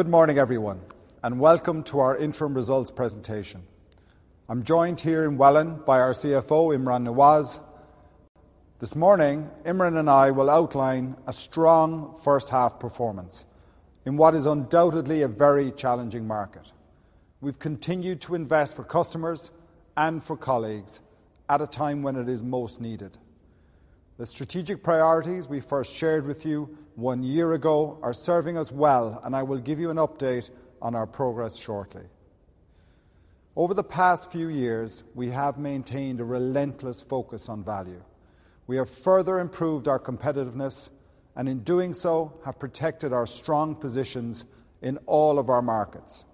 Good morning, everyone, and welcome to our interim results presentation. I'm joined here in Welwyn by our CFO, Imran Nawaz. This morning, Imran and I will outline a strong first half performance in what is undoubtedly a very challenging market. We've continued to invest for customers and for colleagues at a time when it is most needed. The strategic priorities we first shared with you one year ago are serving us well, and I will give you an update on our progress shortly. Over the past few years, we have maintained a relentless focus on value. We have further improved our competitiveness, and in doing so, have protected our strong positions in all of our markets.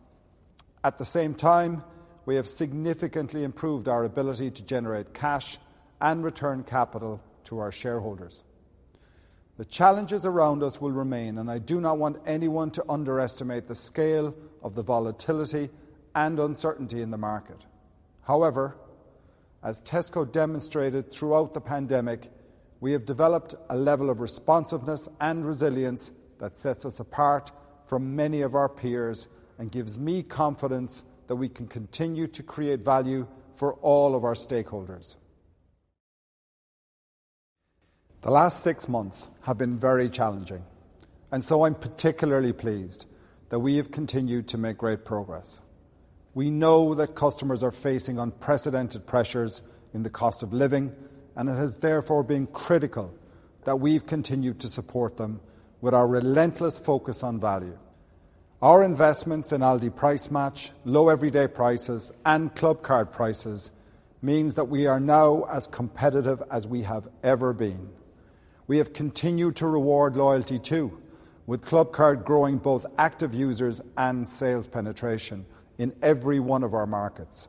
At the same time, we have significantly improved our ability to generate cash and return capital to our shareholders. The challenges around us will remain, and I do not want anyone to underestimate the scale of the volatility and uncertainty in the market. However, as Tesco demonstrated throughout the pandemic, we have developed a level of responsiveness and resilience that sets us apart from many of our peers and gives me confidence that we can continue to create value for all of our stakeholders. The last six months have been very challenging, and so I'm particularly pleased that we have continued to make great progress. We know that customers are facing unprecedented pressures in the cost of living, and it has therefore been critical that we've continued to support them with our relentless focus on value. Our investments in Aldi Price Match, low everyday prices, and Clubcard Prices means that we are now as competitive as we have ever been. We have continued to reward loyalty too, with Clubcard growing both active users and sales penetration in every one of our markets.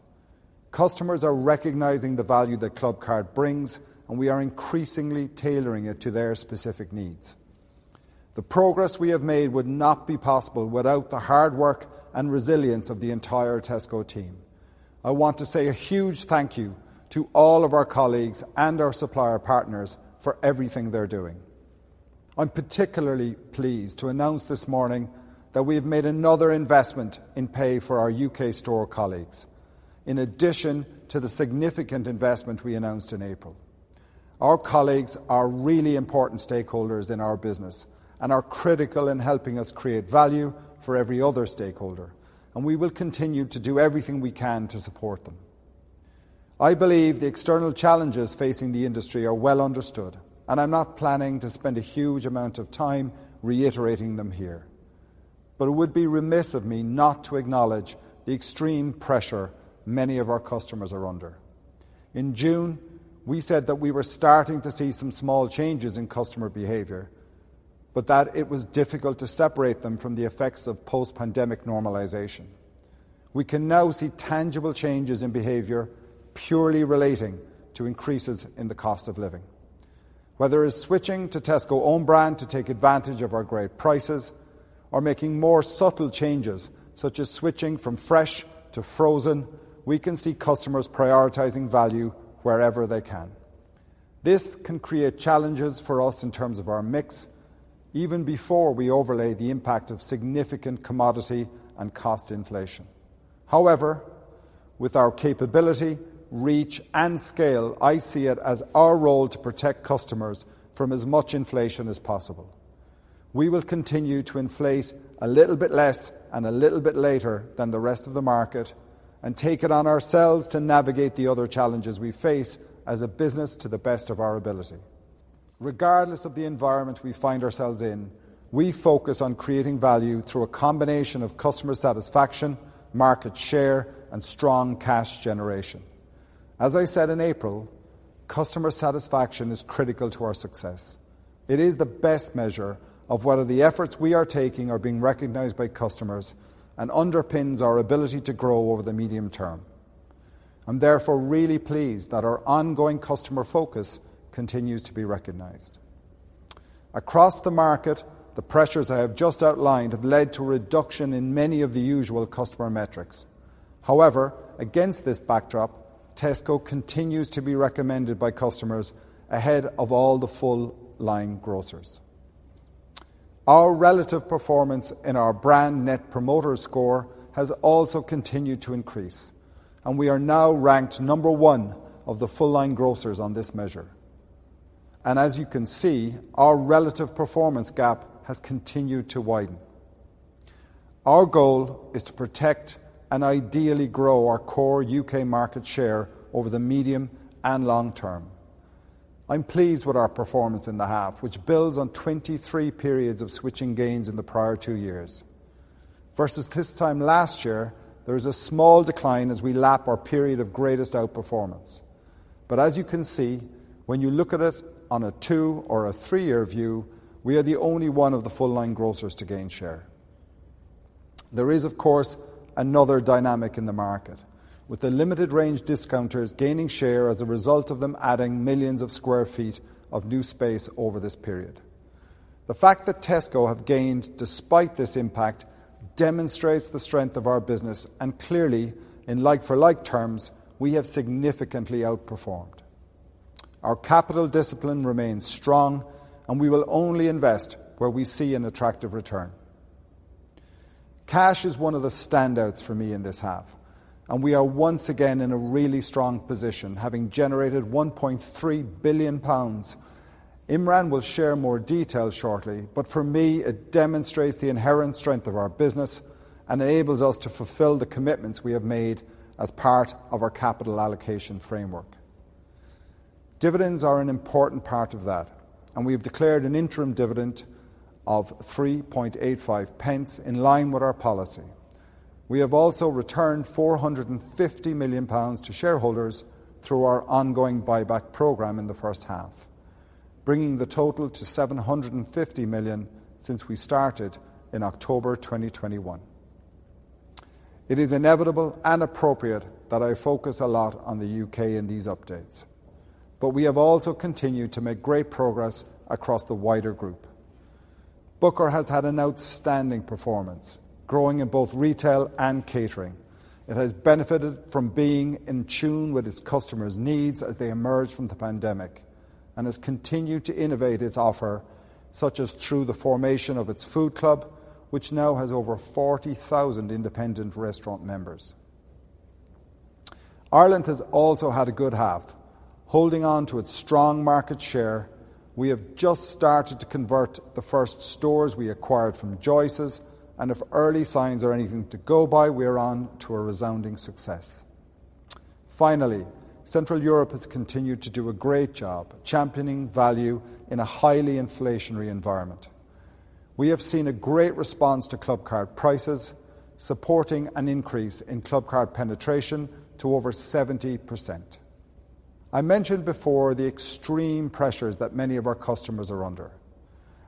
Customers are recognizing the value that Clubcard brings, and we are increasingly tailoring it to their specific needs. The progress we have made would not be possible without the hard work and resilience of the entire Tesco team. I want to say a huge thank you to all of our colleagues and our supplier partners for everything they're doing. I'm particularly pleased to announce this morning that we have made another investment in pay for our U.K. store colleagues, in addition to the significant investment we announced in April. Our colleagues are really important stakeholders in our business and are critical in helping us create value for every other stakeholder, and we will continue to do everything we can to support them. I believe the external challenges facing the industry are well understood, and I'm not planning to spend a huge amount of time reiterating them here. It would be remiss of me not to acknowledge the extreme pressure many of our customers are under. In June, we said that we were starting to see some small changes in customer behavior, but that it was difficult to separate them from the effects of post-pandemic normalization. We can now see tangible changes in behavior purely relating to increases in the cost of living. Whether it's switching to Tesco own brand to take advantage of our great prices or making more subtle changes, such as switching from fresh to frozen, we can see customers prioritizing value wherever they can. This can create challenges for us in terms of our mix, even before we overlay the impact of significant commodity and cost inflation. However, with our capability, reach, and scale, I see it as our role to protect customers from as much inflation as possible. We will continue to inflate a little bit less and a little bit later than the rest of the market and take it on ourselves to navigate the other challenges we face as a business to the best of our ability. Regardless of the environment we find ourselves in, we focus on creating value through a combination of customer satisfaction, market share, and strong cash generation. As I said in April, customer satisfaction is critical to our success. It is the best measure of whether the efforts we are taking are being recognized by customers and underpins our ability to grow over the medium-term. I'm therefore really pleased that our ongoing customer focus continues to be recognized. Across the market, the pressures I have just outlined have led to a reduction in many of the usual customer metrics. However, against this backdrop, Tesco continues to be recommended by customers ahead of all the full line grocers. Our relative performance in our brand Net Promoter Score has also continued to increase, and we are now ranked number one of the full line grocers on this measure. As you can see, our relative performance gap has continued to widen. Our goal is to protect and ideally grow our core U.K. market share over the medium and long-term. I'm pleased with our performance in the half, which builds on 23 periods of switching gains in the prior two years. Versus this time last year, there is a small decline as we lap our period of greatest outperformance. As you can see, when you look at it on a two- or three-year view, we are the only one of the full line grocers to gain share. There is, of course, another dynamic in the market, with the limited range discounters gaining share as a result of them adding millions of sq ft of new space over this period. The fact that Tesco have gained despite this impact demonstrates the strength of our business, and clearly, in like for like terms, we have significantly outperformed. Our capital discipline remains strong, and we will only invest where we see an attractive return. Cash is one of the standouts for me in this half, and we are once again in a really strong position, having generated 1.3 billion pounds. Imran will share more details shortly, but for me it demonstrates the inherent strength of our business and enables us to fulfill the commitments we have made as part of our capital allocation framework. Dividends are an important part of that, and we have declared an interim dividend of 0.0385 in line with our policy. We have also returned 450 million pounds to shareholders through our ongoing buyback program in the first half, bringing the total to 750 million since we started in October 2021. It is inevitable and appropriate that I focus a lot on the U.K. in these updates, but we have also continued to make great progress across the wider group. Booker has had an outstanding performance, growing in both retail and catering. It has benefited from being in tune with its customers' needs as they emerge from the pandemic, and has continued to innovate its offer, such as through the formation of its Food Club, which now has over 40,000 independent restaurant members. Ireland has also had a good half. Holding on to its strong market share, we have just started to convert the first stores we acquired from Joyce's, and if early signs are anything to go by, we're on to a resounding success. Finally, Central Europe has continued to do a great job championing value in a highly inflationary environment. We have seen a great response to Clubcard Prices, supporting an increase in Clubcard penetration to over 70%. I mentioned before the extreme pressures that many of our customers are under.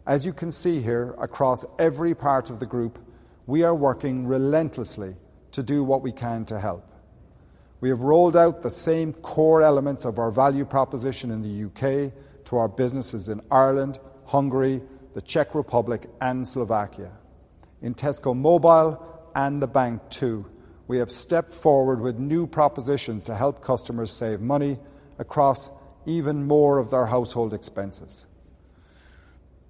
As you can see here, across every part of the group, we are working relentlessly to do what we can to help. We have rolled out the same core elements of our value proposition in the U.K. to our businesses in Ireland, Hungary, the Czech Republic and Slovakia. In Tesco Mobile and the bank too, we have stepped forward with new propositions to help customers save money across even more of their household expenses.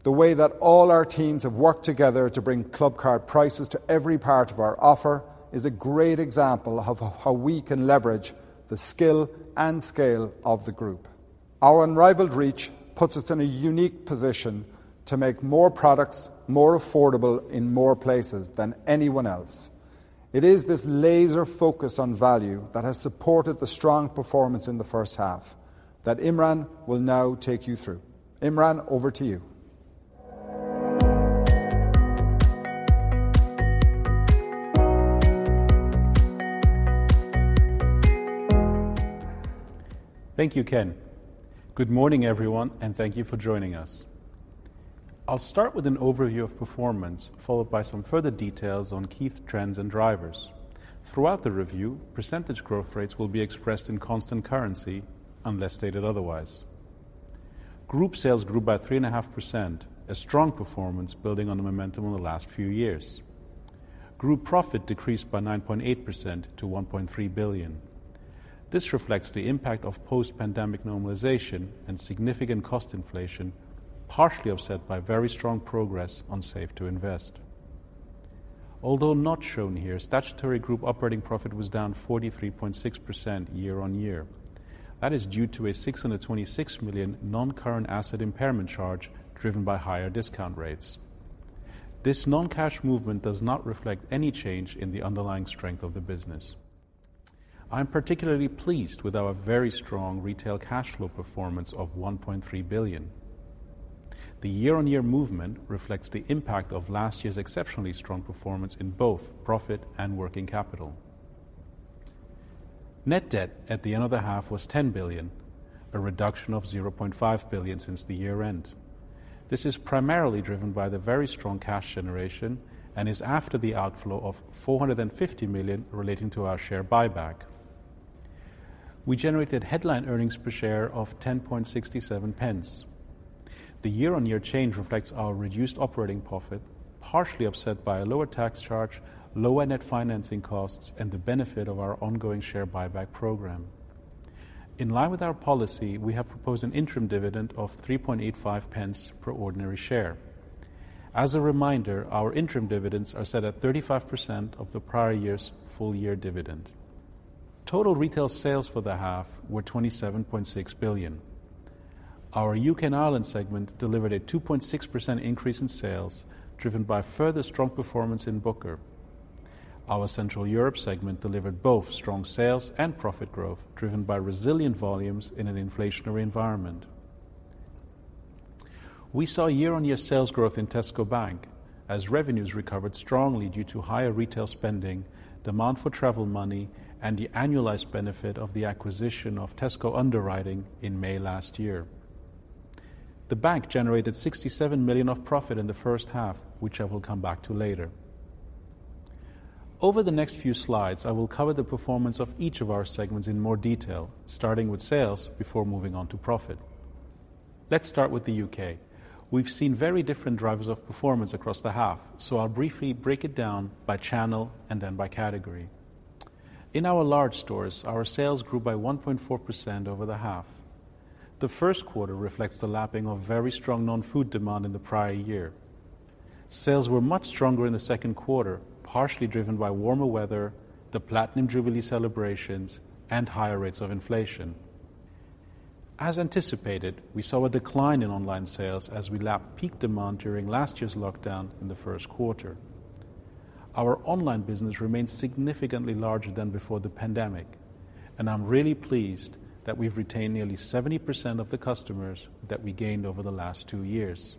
The way that all our teams have worked together to bring Clubcard Prices to every part of our offer is a great example of how we can leverage the skill and scale of the group. Our unrivaled reach puts us in a unique position to make more products more affordable in more places than anyone else. It is this laser focus on value that has supported the strong performance in the first half that Imran will now take you through. Imran, over to you. Thank you, Ken. Good morning, everyone, and thank you for joining us. I'll start with an overview of performance, followed by some further details on key trends and drivers. Throughout the review, percentage growth rates will be expressed in constant currency unless stated otherwise. Group sales grew by 3.5%, a strong performance building on the momentum in the last few years. Group profit decreased by 9.8% to 1.3 billion. This reflects the impact of post-pandemic normalization and significant cost inflation, partially offset by very strong progress on Save to Invest. Although not shown here, statutory group operating profit was down 43.6% year-on-year. That is due to a 626 million non-current asset impairment charge driven by higher discount rates. This non-cash movement does not reflect any change in the underlying strength of the business. I am particularly pleased with our very strong retail cash flow performance of 1.3 billion. The year-on-year movement reflects the impact of last year's exceptionally strong performance in both profit and working capital. Net debt at the end of the half was 10 billion, a reduction of 0.5 billion since the year-end. This is primarily driven by the very strong cash generation and is after the outflow of 450 million relating to our share buyback. We generated headline earnings per share of 10.67 pence. The year-on-year change reflects our reduced operating profit, partially offset by a lower tax charge, lower net financing costs, and the benefit of our ongoing share buyback program. In line with our policy, we have proposed an interim dividend of 3.85 pence per ordinary share. As a reminder, our interim dividends are set at 35% of the prior year's full year dividend. Total retail sales for the half were 27.6 billion. Our UK and Ireland segment delivered a 2.6% increase in sales driven by further strong performance in Booker. Our Central Europe segment delivered both strong sales and profit growth, driven by resilient volumes in an inflationary environment. We saw year-on-year sales growth in Tesco Bank as revenues recovered strongly due to higher retail spending, demand for travel money, and the annualized benefit of the acquisition of Tesco Underwriting in May last year. The bank generated 67 million of profit in the first half, which I will come back to later. Over the next few slides, I will cover the performance of each of our segments in more detail, starting with sales before moving on to profit. Let's start with the U.K.. We've seen very different drivers of performance across the half, so I'll briefly break it down by channel and then by category. In our large stores, our sales grew by 1.4% over the half. The first quarter reflects the lapping of very strong non-food demand in the prior year. Sales were much stronger in the second quarter, partially driven by warmer weather, the Platinum Jubilee celebrations, and higher rates of inflation. As anticipated, we saw a decline in online sales as we lapped peak demand during last year's lockdown in the first quarter. Our online business remains significantly larger than before the pandemic, and I'm really pleased that we've retained nearly 70% of the customers that we gained over the last two years.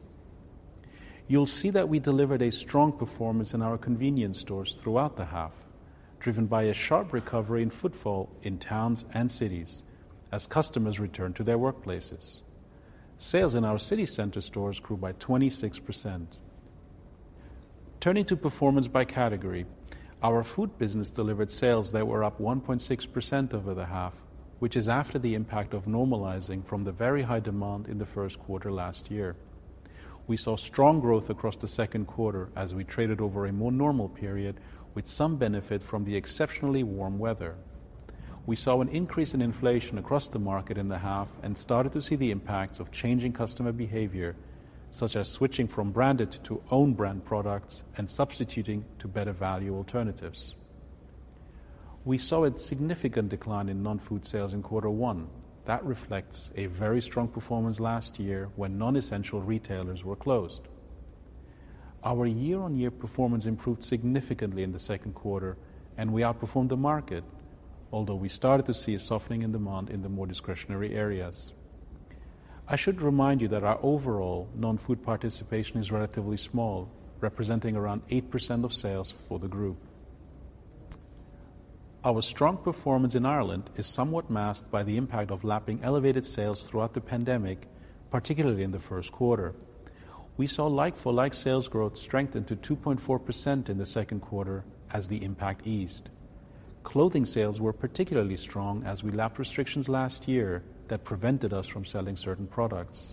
You'll see that we delivered a strong performance in our convenience stores throughout the half, driven by a sharp recovery in footfall in towns and cities as customers return to their workplaces. Sales in our city center stores grew by 26%. Turning to performance by category. Our food business delivered sales that were up 1.6% over the half, which is after the impact of normalizing from the very high demand in the first quarter last year. We saw strong growth across the second quarter as we traded over a more normal period with some benefit from the exceptionally warm weather. We saw an increase in inflation across the market in the half and started to see the impacts of changing customer behavior, such as switching from branded to own brand products and substituting to better value alternatives. We saw a significant decline in non-food sales in quarter one. That reflects a very strong performance last year when non-essential retailers were closed. Our year-on-year performance improved significantly in the second quarter and we outperformed the market, although we started to see a softening in demand in the more discretionary areas. I should remind you that our overall non-food participation is relatively small, representing around 8% of sales for the group. Our strong performance in Ireland is somewhat masked by the impact of lapping elevated sales throughout the pandemic, particularly in the first quarter. We saw like-for-like sales growth strengthen to 2.4% in the second quarter as the impact eased. Clothing sales were particularly strong as we lapped restrictions last year that prevented us from selling certain products.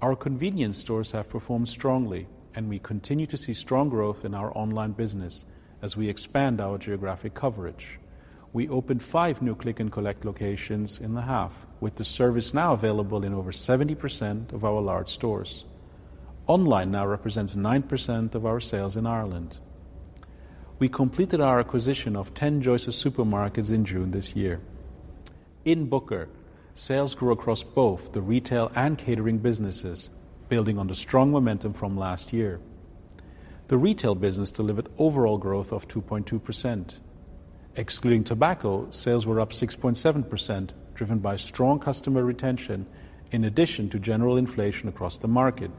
Our convenience stores have performed strongly and we continue to see strong growth in our online business as we expand our geographic coverage. We opened five new Click+Collect locations in the half, with the service now available in over 70% of our large stores. Online now represents 9% of our sales in Ireland. We completed our acquisition of 10 Joyce's Supermarkets in June this year. In Booker, sales grew across both the retail and catering businesses, building on the strong momentum from last year. The retail business delivered overall growth of 2.2%. Excluding tobacco, sales were up 6.7%, driven by strong customer retention in addition to general inflation across the market.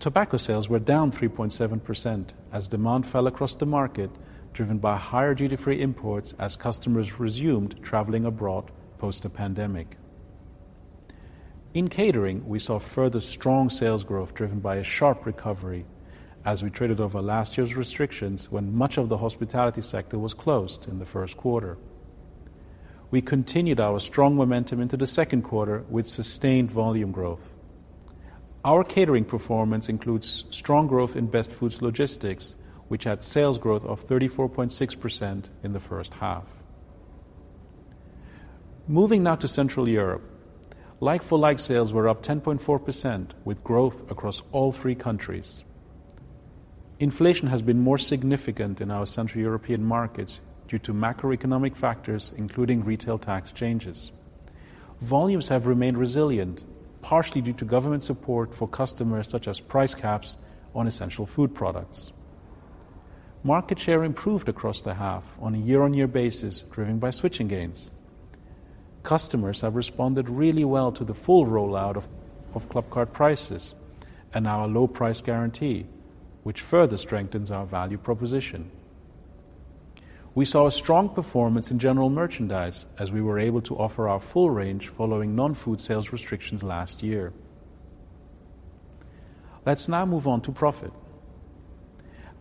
Tobacco sales were down 3.7% as demand fell across the market, driven by higher duty-free imports as customers resumed traveling abroad post the pandemic. In catering, we saw further strong sales growth driven by a sharp recovery as we traded over last year's restrictions when much of the hospitality sector was closed in the first quarter. We continued our strong momentum into the second quarter with sustained volume growth. Our catering performance includes strong growth in Best Food Logistics, which had sales growth of 34.6% in the first half. Moving now to Central Europe. Like-for-like sales were up 10.4% with growth across all three countries. Inflation has been more significant in our Central European markets due to macroeconomic factors, including retail tax changes. Volumes have remained resilient, partially due to government support for customers, such as price caps on essential food products. Market share improved across the half on a year-on-year basis, driven by switching gains. Customers have responded really well to the full rollout of Clubcard Prices and our low price guarantee, which further strengthens our value proposition. We saw a strong performance in general merchandise as we were able to offer our full range following non-food sales restrictions last year. Let's now move on to profit.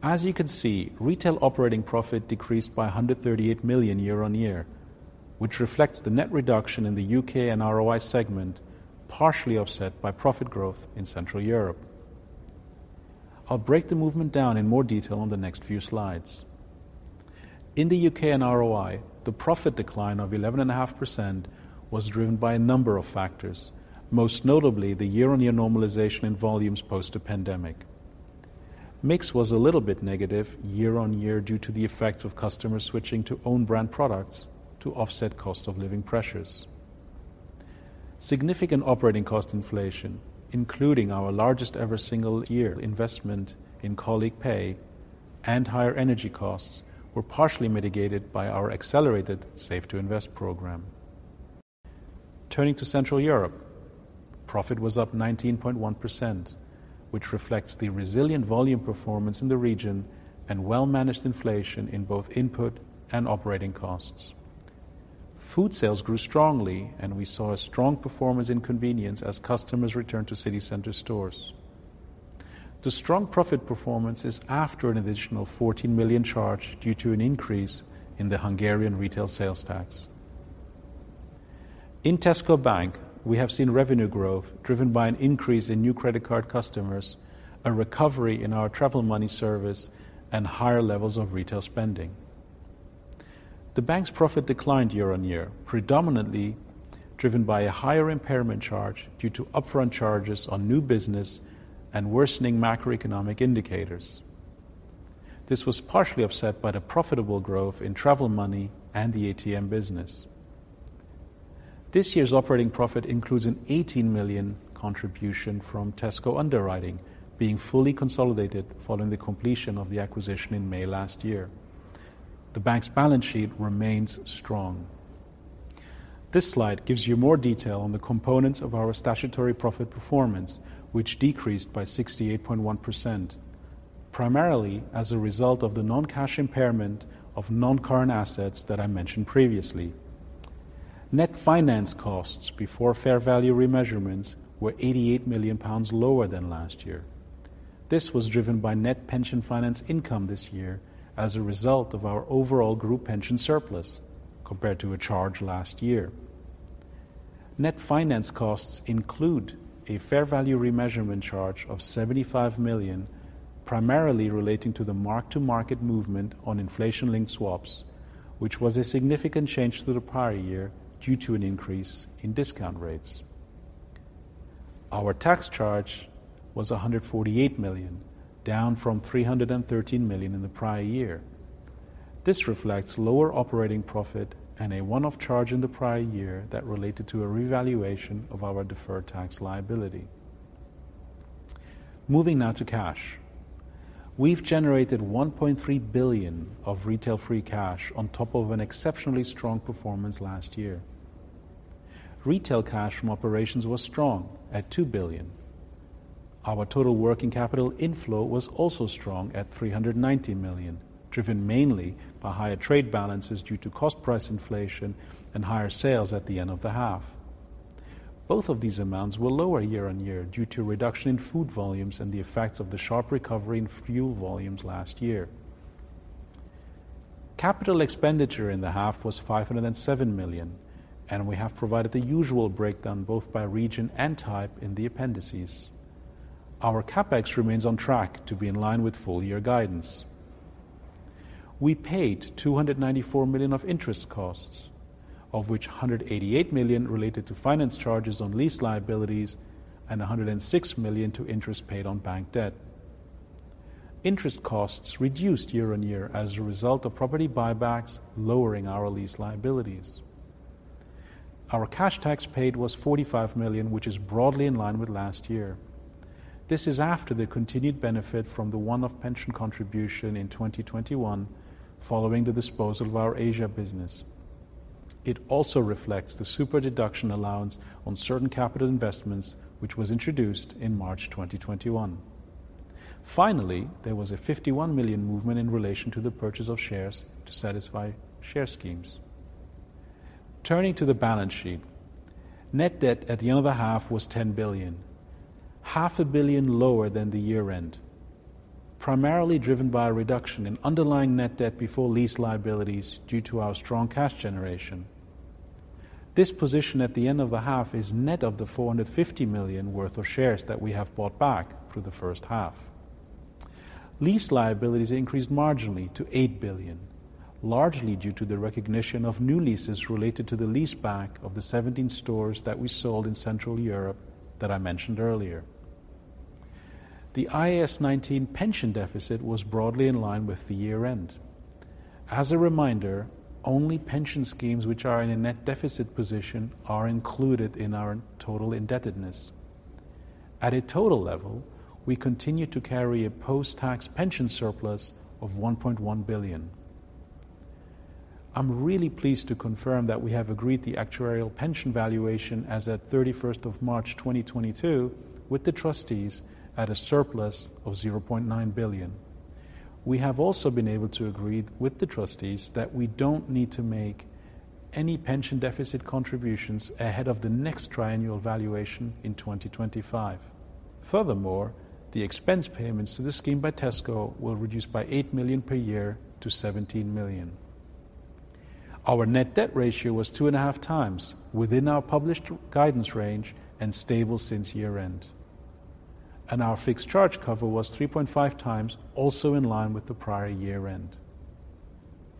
As you can see, retail operating profit decreased by 138 million year-on-year, which reflects the net reduction in the U.K. and ROI segment, partially offset by profit growth in Central Europe. I'll break the movement down in more detail on the next few slides. In the U.K. And ROI, the profit decline of 11.5% was driven by a number of factors, most notably the year-on-year normalization in volumes post the pandemic. Mix was a little bit negative year-on-year due to the effects of customers switching to own brand products to offset cost of living pressures. Significant operating cost inflation, including our largest ever single year investment in colleague pay and higher energy costs, were partially mitigated by our accelerated Save to Invest program. Turning to Central Europe, profit was up 19.1%, which reflects the resilient volume performance in the region and well-managed inflation in both input and operating costs. Food sales grew strongly, and we saw a strong performance in convenience as customers returned to city center stores. The strong profit performance is after an additional 14 million charge due to an increase in the Hungarian retail sales tax. In Tesco Bank, we have seen revenue growth driven by an increase in new credit card customers, a recovery in our travel money service, and higher levels of retail spending. The bank's profit declined year-on-year, predominantly driven by a higher impairment charge due to upfront charges on new business and worsening macroeconomic indicators. This was partially offset by the profitable growth in travel money and the ATM business. This year's operating profit includes a 18 million contribution from Tesco Underwriting being fully consolidated following the completion of the acquisition in May last year. The bank's balance sheet remains strong. This slide gives you more detail on the components of our statutory profit performance, which decreased by 68.1%, primarily as a result of the non-cash impairment of non-current assets that I mentioned previously. Net finance costs before fair value remeasurements were 88 million pounds lower than last year. This was driven by net pension finance income this year as a result of our overall group pension surplus compared to a charge last year. Net finance costs include a fair value remeasurement charge of 75 million, primarily relating to the mark-to-market movement on inflation-linked swaps, which was a significant change to the prior year due to an increase in discount rates. Our tax charge was 148 million, down from 313 million in the prior year. This reflects lower operating profit and a one-off charge in the prior year that related to a revaluation of our deferred tax liability. Moving now to cash. We've generated 1.3 billion of retail free cash on top of an exceptionally strong performance last year. Retail cash from operations was strong at 2 billion. Our total working capital inflow was also strong at 390 million, driven mainly by higher trade balances due to cost price inflation and higher sales at the end of the half. Both of these amounts were lower year-on-year due to a reduction in food volumes and the effects of the sharp recovery in fuel volumes last year. Capital expenditure in the half was 507 million, and we have provided the usual breakdown both by region and type in the appendices. Our CapEx remains on track to be in line with full year guidance. We paid 294 million of interest costs, of which 188 million related to finance charges on lease liabilities and 106 million to interest paid on bank debt. Interest costs reduced year-on-year as a result of property buybacks lowering our lease liabilities. Our cash tax paid was 45 million, which is broadly in line with last year. This is after the continued benefit from the one-off pension contribution in 2021 following the disposal of our Asia business. It also reflects the super-deduction allowance on certain capital investments which was introduced in March 2021. Finally, there was a 51 million movement in relation to the purchase of shares to satisfy share schemes. Turning to the balance sheet, net debt at the end of the half was 10 billion, half a billion lower than the year-end, primarily driven by a reduction in underlying net debt before lease liabilities due to our strong cash generation. This position at the end of the half is net of the 450 million worth of shares that we have bought back through the first half. Lease liabilities increased marginally to 8 billion, largely due to the recognition of new leases related to the leaseback of the 17 stores that we sold in Central Europe that I mentioned earlier. The IAS 19 pension deficit was broadly in line with the year-end. As a reminder, only pension schemes which are in a net deficit position are included in our total indebtedness. At a total level, we continue to carry a post-tax pension surplus of 1.1 billion. I'm really pleased to confirm that we have agreed the actuarial pension valuation as at 31st of March 2022 with the trustees at a surplus of 0.9 billion. We have also been able to agree with the trustees that we don't need to make any pension deficit contributions ahead of the next triennial valuation in 2025. Furthermore, the expense payments to the scheme by Tesco will reduce by 8 million per year to 17 million. Our net debt ratio was 2.5 times within our published guidance range and stable since year-end. Our fixed charge cover was 3.5 times, also in line with the prior year-end.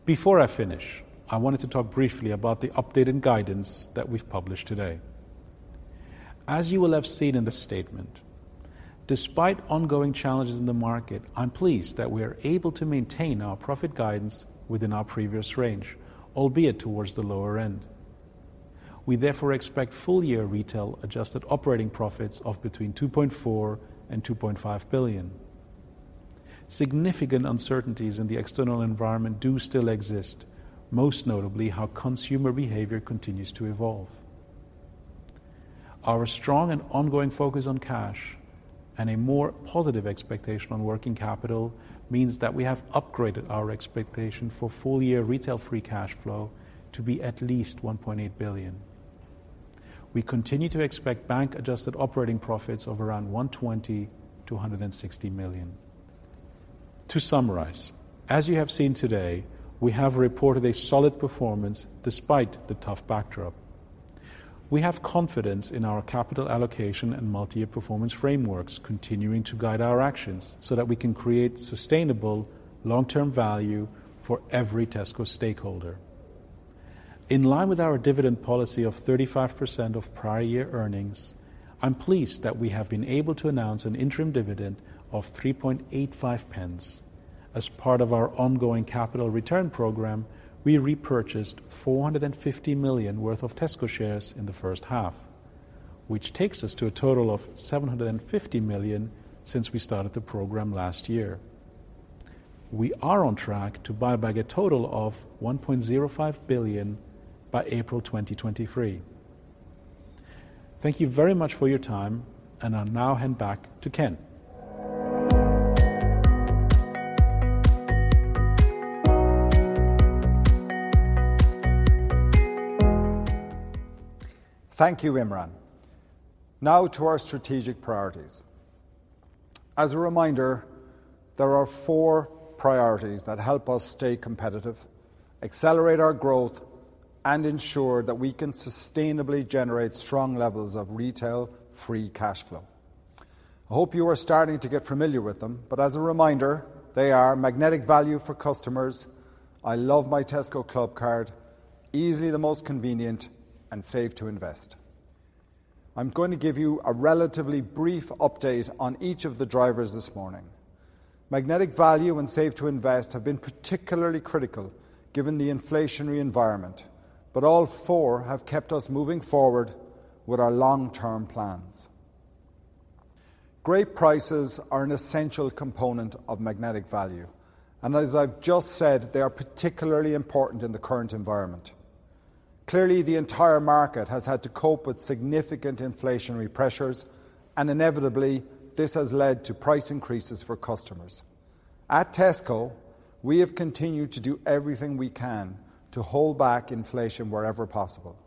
Before I finish, I wanted to talk briefly about the updated guidance that we've published today. As you will have seen in the statement, despite ongoing challenges in the market, I'm pleased that we are able to maintain our profit guidance within our previous range, albeit towards the lower end. We therefore expect full-year retail adjusted operating profits of between 2.4 billion and 2.5 billion. Significant uncertainties in the external environment do still exist, most notably how consumer behavior continues to evolve. Our strong and ongoing focus on cash and a more positive expectation on working capital means that we have upgraded our expectation for full-year retail free cash flow to be at least 1.8 billion. We continue to expect bank-adjusted operating profits of around 120 million to 160 million. To summarize, as you have seen today, we have reported a solid performance despite the tough backdrop. We have confidence in our capital allocation and multi-year performance frameworks continuing to guide our actions so that we can create sustainable long-term value for every Tesco stakeholder. In line with our dividend policy of 35% of prior year earnings, I'm pleased that we have been able to announce an interim dividend of 0.0385. As part of our ongoing capital return program, we repurchased 450 million worth of Tesco shares in the first half, which takes us to a total of 750 million since we started the program last year. We are on track to buyback a total of 1.05 billion by April 2023. Thank you very much for your time, and I'll now hand back to Ken. Thank you, Imran. Now to our strategic priorities. As a reminder, there are four priorities that help us stay competitive, accelerate our growth, and ensure that we can sustainably generate strong levels of retail free cash flow. I hope you are starting to get familiar with them, but as a reminder, they are magnetic value for customers, I love my Tesco Clubcard, easily the most convenient, and Save to Invest. I'm going to give you a relatively brief update on each of the drivers this morning. Magnetic value and Save to Invest have been particularly critical given the inflationary environment, but all four have kept us moving forward with our long-term plans. Great prices are an essential component of magnetic value, and as I've just said, they are particularly important in the current environment. Clearly, the entire market has had to cope with significant inflationary pressures, and inevitably, this has led to price increases for customers. At Tesco, we have continued to do everything we can to hold back inflation wherever possible.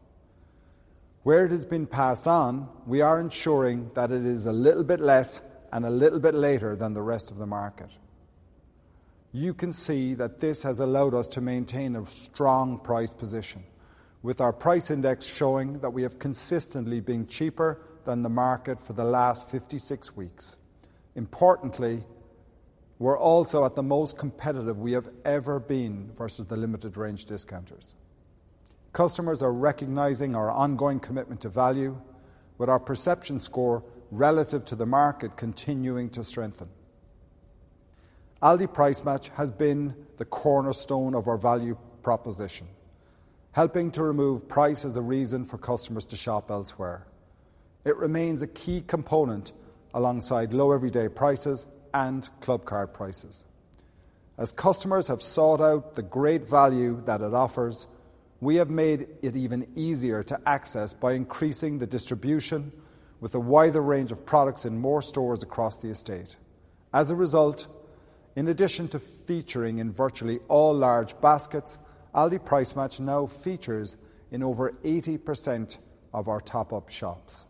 Where it has been passed on, we are ensuring that it is a little bit less and a little bit later than the rest of the market. You can see that this has allowed us to maintain a strong price position with our price index showing that we have consistently been cheaper than the market for the last 56 weeks. Importantly, we're also at the most competitive we have ever been versus the limited range discounters. Customers are recognizing our ongoing commitment to value with our perception score relative to the market continuing to strengthen. Aldi Price Match has been the cornerstone of our value proposition, helping to remove price as a reason for customers to shop elsewhere. It remains a key component alongside low everyday prices and Clubcard Prices. As customers have sought out the great value that it offers, we have made it even easier to access by increasing the distribution with a wider range of products in more stores across the estate. As a result, in addition to featuring in virtually all large baskets, Aldi Price Match now features in over 80% of our top-up shops.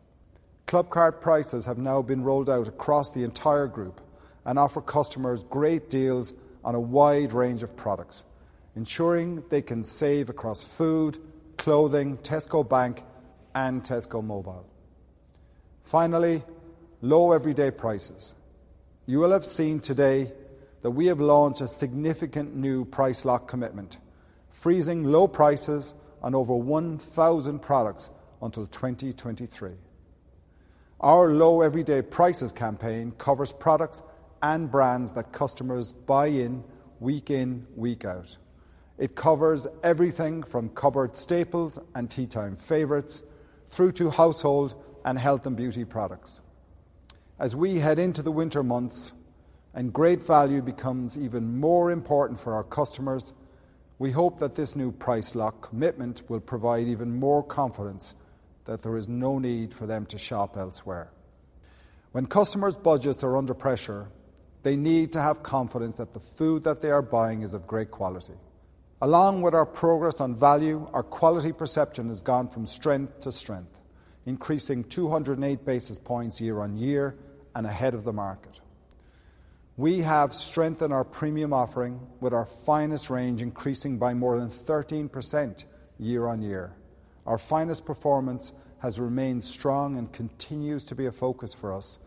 Clubcard Prices have now been rolled out across the entire group and offer customers great deals on a wide range of products, ensuring they can save across food, clothing, Tesco Bank, and Tesco Mobile. Finally, low everyday prices. You will have seen today that we have launched a significant new price lock commitment, freezing low prices on over 1,000 products until 2023. Our low everyday prices campaign covers products and brands that customers buy in week in, week out. It covers everything from cupboard staples and tea time favorites, through to household and health and beauty products. As we head into the winter months and great value becomes even more important for our customers, we hope that this new price lock commitment will provide even more confidence that there is no need for them to shop elsewhere. When customers' budgets are under pressure, they need to have confidence that the food that they are buying is of great quality. Along with our progress and value, our quality perception has gone from strength to strength, increasing 208 basis points year-on-year and ahead of the market. We have strengthened our premium offering with our Finest range increasing by more than 13% year-on-year. Our Finest performance has remained strong and continues to be a focus for us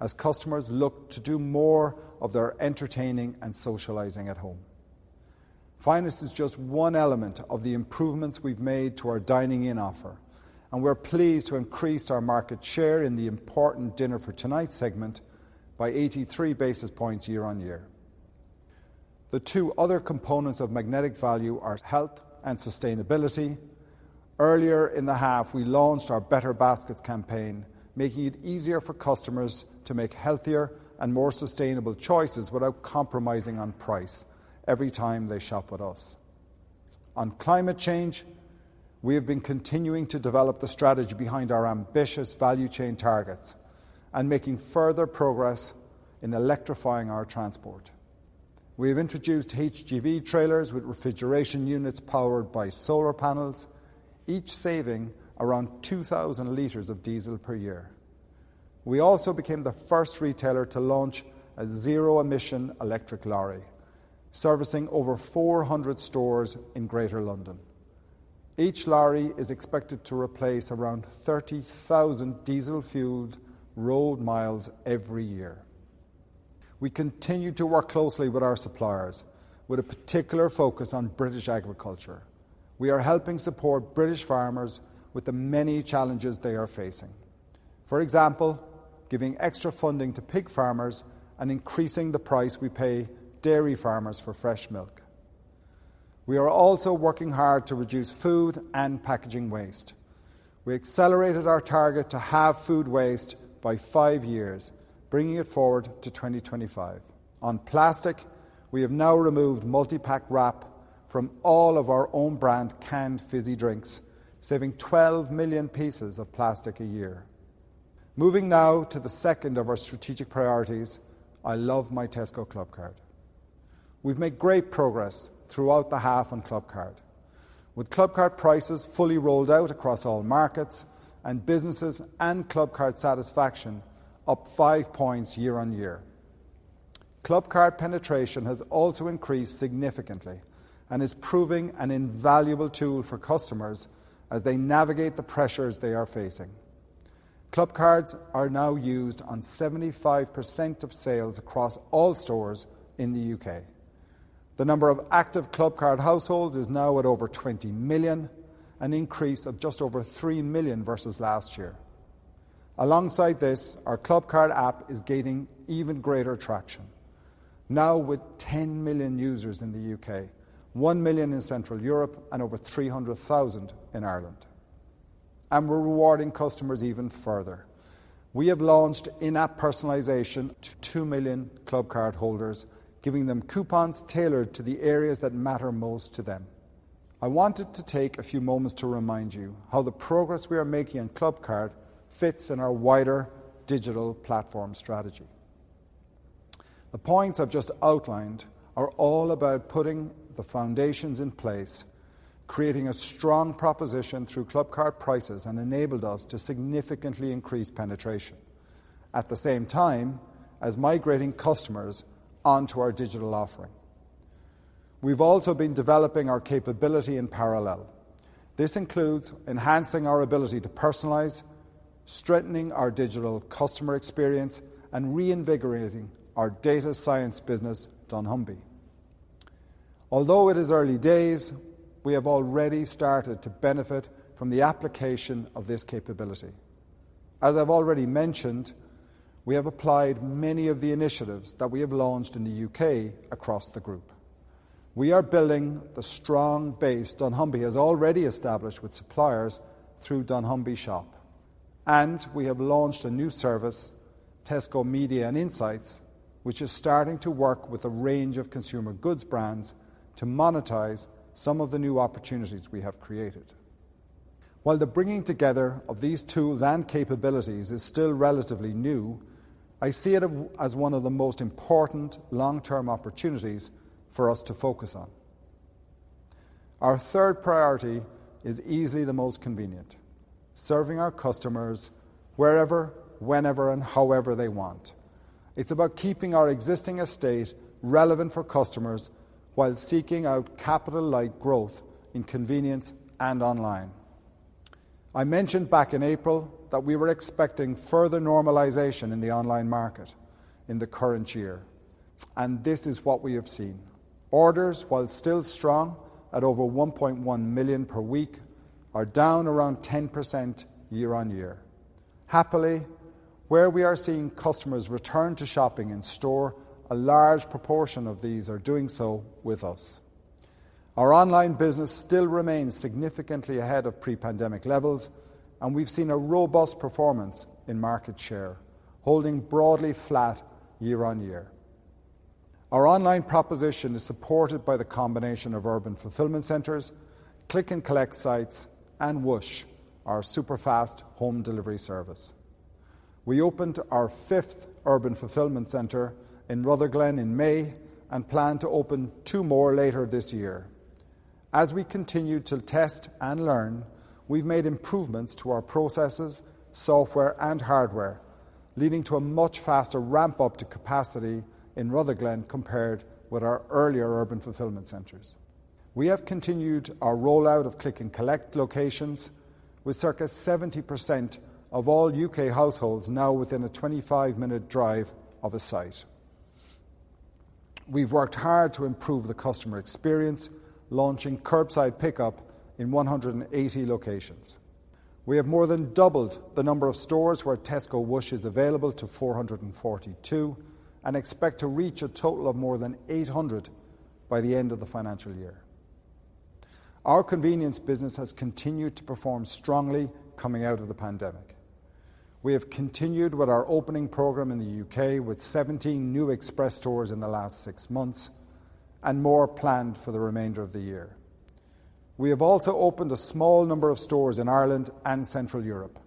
as customers look to do more of their entertaining and socializing at home. Finest is just one element of the improvements we've made to our dining in offer, and we're pleased to increase our market share in the important dinner for tonight segment by 83 basis points year-on-year. The two other components of magnetic value are health and sustainability. Earlier in the half, we launched our Better Baskets campaign, making it easier for customers to make healthier and more sustainable choices without compromising on price every time they shop with us. On climate change, we have been continuing to develop the strategy behind our ambitious value chain targets and making further progress in electrifying our transport. We have introduced HGV trailers with refrigeration units powered by solar panels, each saving around 2,000 liters of diesel per year. We also became the first retailer to launch a zero-emission electric lorry, servicing over 400 stores in Greater London. Each lorry is expected to replace around 30,000 diesel-fueled road miles every year. We continue to work closely with our suppliers with a particular focus on British agriculture. We are helping support British farmers with the many challenges they are facing. For example, giving extra funding to pig farmers and increasing the price we pay dairy farmers for fresh milk. We are also working hard to reduce food and packaging waste. We accelerated our target to halve food waste by five years, bringing it forward to 2025. On plastic, we have now removed multi-pack wrap from all of our own brand canned fizzy drinks, saving 12 million pieces of plastic a year. Moving now to the second of our strategic priorities, I love my Tesco Clubcard. We've made great progress throughout the half on Clubcard. With Clubcard Prices fully rolled out across all markets and businesses and Clubcard satisfaction up five points year-on-year. Clubcard penetration has also increased significantly and is proving an invaluable tool for customers as they navigate the pressures they are facing. Clubcards are now used on 75% of sales across all stores in the U.K.. The number of active Clubcard households is now at over 20 million, an increase of just over three million versus last year. Alongside this, our Clubcard app is gaining even greater traction, now with 10 million users in the U.K., one million in Central Europe, and over 300,000 in Ireland. We're rewarding customers even further. We have launched in-app personalization to two million Clubcard holders, giving them coupons tailored to the areas that matter most to them. I wanted to take a few moments to remind you how the progress we are making on Clubcard fits in our wider digital platform strategy. The points I've just outlined are all about putting the foundations in place, creating a strong proposition through Clubcard Prices, and enabled us to significantly increase penetration, at the same time as migrating customers onto our digital offering. We've also been developing our capability in parallel. This includes enhancing our ability to personalize, strengthening our digital customer experience, and reinvigorating our data science business, dunnhumby. Although it is early days, we have already started to benefit from the application of this capability. As I've already mentioned, we have applied many of the initiatives that we have launched in the U.K. across the group. We are building the strong base dunnhumby has already established with suppliers through dunnhumby Shop. We have launched a new service, Tesco Media and Insight, which is starting to work with a range of consumer goods brands to monetize some of the new opportunities we have created. While the bringing together of these tools and capabilities is still relatively new, I see it as one of the most important long-term opportunities for us to focus on. Our third priority is easily the most convenient, serving our customers wherever, whenever, and however they want. It's about keeping our existing estate relevant for customers while seeking out capital-light growth in convenience and online. I mentioned back in April that we were expecting further normalization in the online market in the current year, and this is what we have seen. Orders, while still strong at over 1.1 million per week, are down around 10% year-on-year. Happily, where we are seeing customers return to shopping in store, a large proportion of these are doing so with us. Our online business still remains significantly ahead of pre-pandemic levels, and we've seen a robust performance in market share, holding broadly flat year-on-year. Our online proposition is supported by the combination of urban fulfillment centers, Click+Collect sites, and Whoosh, our super-fast home delivery service. We opened our fifth urban fulfillment center in Rutherglen in May and plan to open two more later this year. As we continue to test and learn, we've made improvements to our processes, software, and hardware, leading to a much faster ramp-up to capacity in Rutherglen compared with our earlier urban fulfillment centers. We have continued our rollout of Click+Collect locations with circa 70% of all U.K. households now within a 25-minute drive of a site. We've worked hard to improve the customer experience, launching Click+Collect in 180 locations. We have more than doubled the number of stores where Tesco Whoosh is available to 442 and expect to reach a total of more than 800 by the end of the financial year. Our convenience business has continued to perform strongly coming out of the pandemic. We have continued with our opening program in the U.K. with 17 new Express stores in the last six months and more planned for the remainder of the year. We have also opened a small number of stores in Ireland and Central Europe.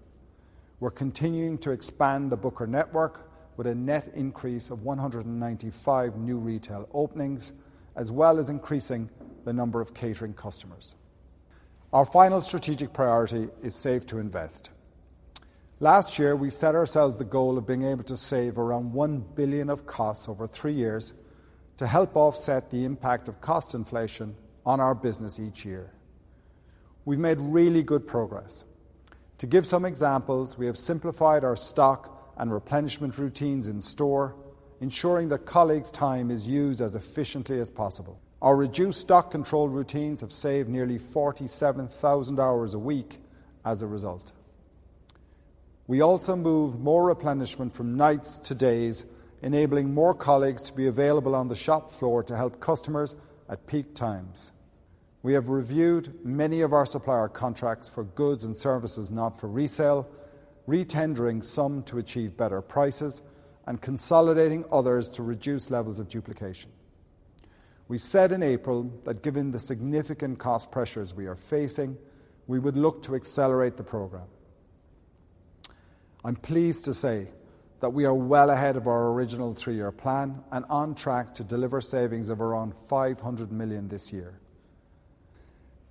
We're continuing to expand the Booker network with a net increase of 195 new retail openings, as well as increasing the number of catering customers. Our final strategic priority is Save to Invest. Last year, we set ourselves the goal of being able to save around 1 billion of costs over three years to help offset the impact of cost inflation on our business each year. We've made really good progress. To give some examples, we have simplified our stock and replenishment routines in store, ensuring that colleagues' time is used as efficiently as possible. Our reduced stock control routines have saved nearly 47,000 hours a week as a result. We also move more replenishment from nights to days, enabling more colleagues to be available on the shop floor to help customers at peak times. We have reviewed many of our supplier contracts for goods and services not for resale, re-tendering some to achieve better prices and consolidating others to reduce levels of duplication. We said in April that given the significant cost pressures we are facing, we would look to accelerate the program. I'm pleased to say that we are well ahead of our original three-year plan and on track to deliver savings of around 500 million this year.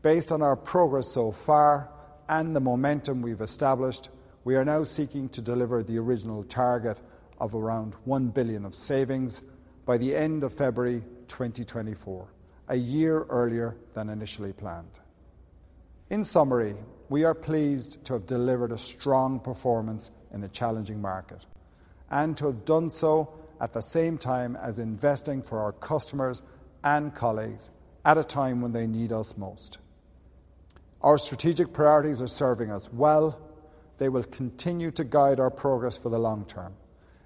Based on our progress so far and the momentum we've established, we are now seeking to deliver the original target of around 1 billion of savings by the end of February 2024, a year earlier than initially planned. In summary, we are pleased to have delivered a strong performance in a challenging market and to have done so at the same time as investing for our customers and colleagues at a time when they need us most. Our strategic priorities are serving us well. They will continue to guide our progress for the long-term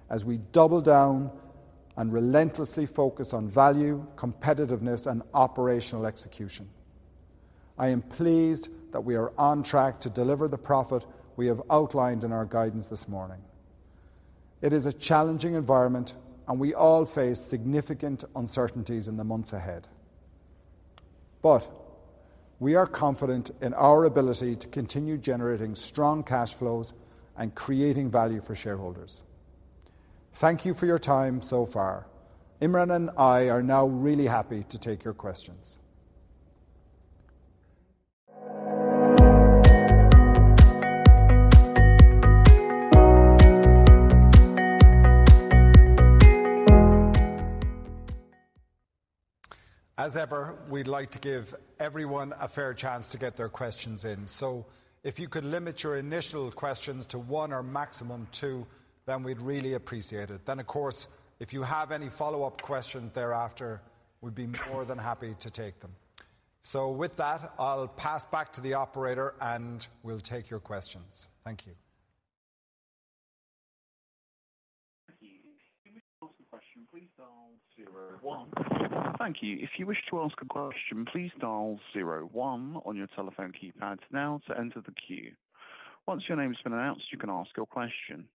as we double down and relentlessly focus on value, competitiveness, and operational execution. I am pleased that we are on track to deliver the profit we have outlined in our guidance this morning. It is a challenging environment, and we all face significant uncertainties in the months ahead. We are confident in our ability to continue generating strong cash flows and creating value for shareholders. Thank you for your time so far. Imran and I are now really happy to take your questions. As ever, we'd like to give everyone a fair chance to get their questions in. If you could limit your initial questions to one or maximum two, then we'd really appreciate it. Of course, if you have any follow-up questions thereafter, we'd be more than happy to take them. With that, I'll pass back to the operator, and we'll take your questions. Thank you. Thank you. If you wish to ask a question, please dial zero one. Thank you. If you wish to ask a question, please dial zero one on your telephone keypad now to enter the queue. Once your name has been announced, you can ask your question.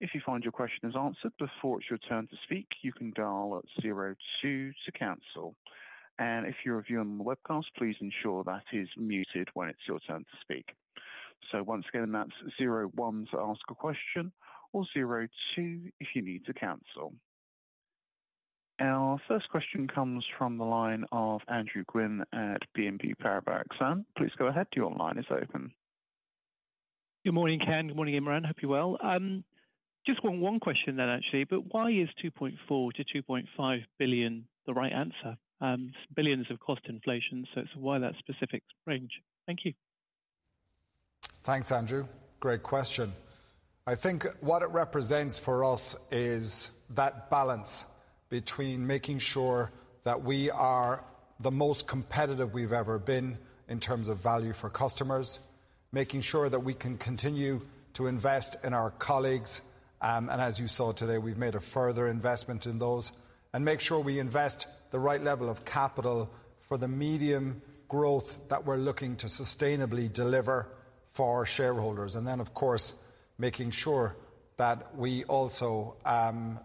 If you find your question is answered before it's your turn to speak, you can dial zero two to cancel. If you're viewing on the webcast, please ensure that it is muted when it's your turn to speak. Once again, that's zero one to ask a question or zero two if you need to cancel. Our first question comes from the line of Andrew Gwynn at BNP Paribas Exane. Please go ahead. Your line is open. Good morning, Ken. Good morning, Imran. Hope you're well. Just one question then actually. Why is 2.4 billion-2.5 billion the right answer? Billions of cost inflation, so it's why that specific range? Thank you. Thanks, Andrew. Great question. I think what it represents for us is that balance between making sure that we are the most competitive we've ever been in terms of value for customers, making sure that we can continue to invest in our colleagues, and as you saw today, we've made a further investment in those, and make sure we invest the right level of capital for the medium growth that we're looking to sustainably deliver for our shareholders. Of course, making sure that we also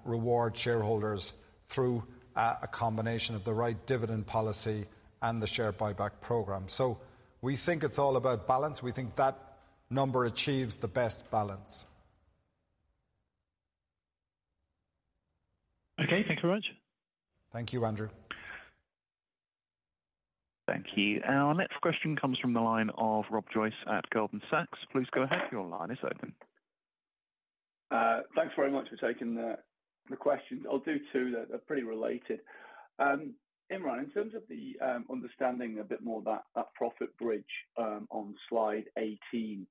reward shareholders through a combination of the right dividend policy and the share buyback program. We think it's all about balance. We think that number achieves the best balance. Okay, thank you very much. Thank you, Andrew. Thank you. Our next question comes from the line of Rob Joyce at Goldman Sachs. Please go ahead. Your line is open. Thanks very much for taking the questions. I'll do two that are pretty related. Imran, in terms of understanding a bit more that profit bridge on slide 18,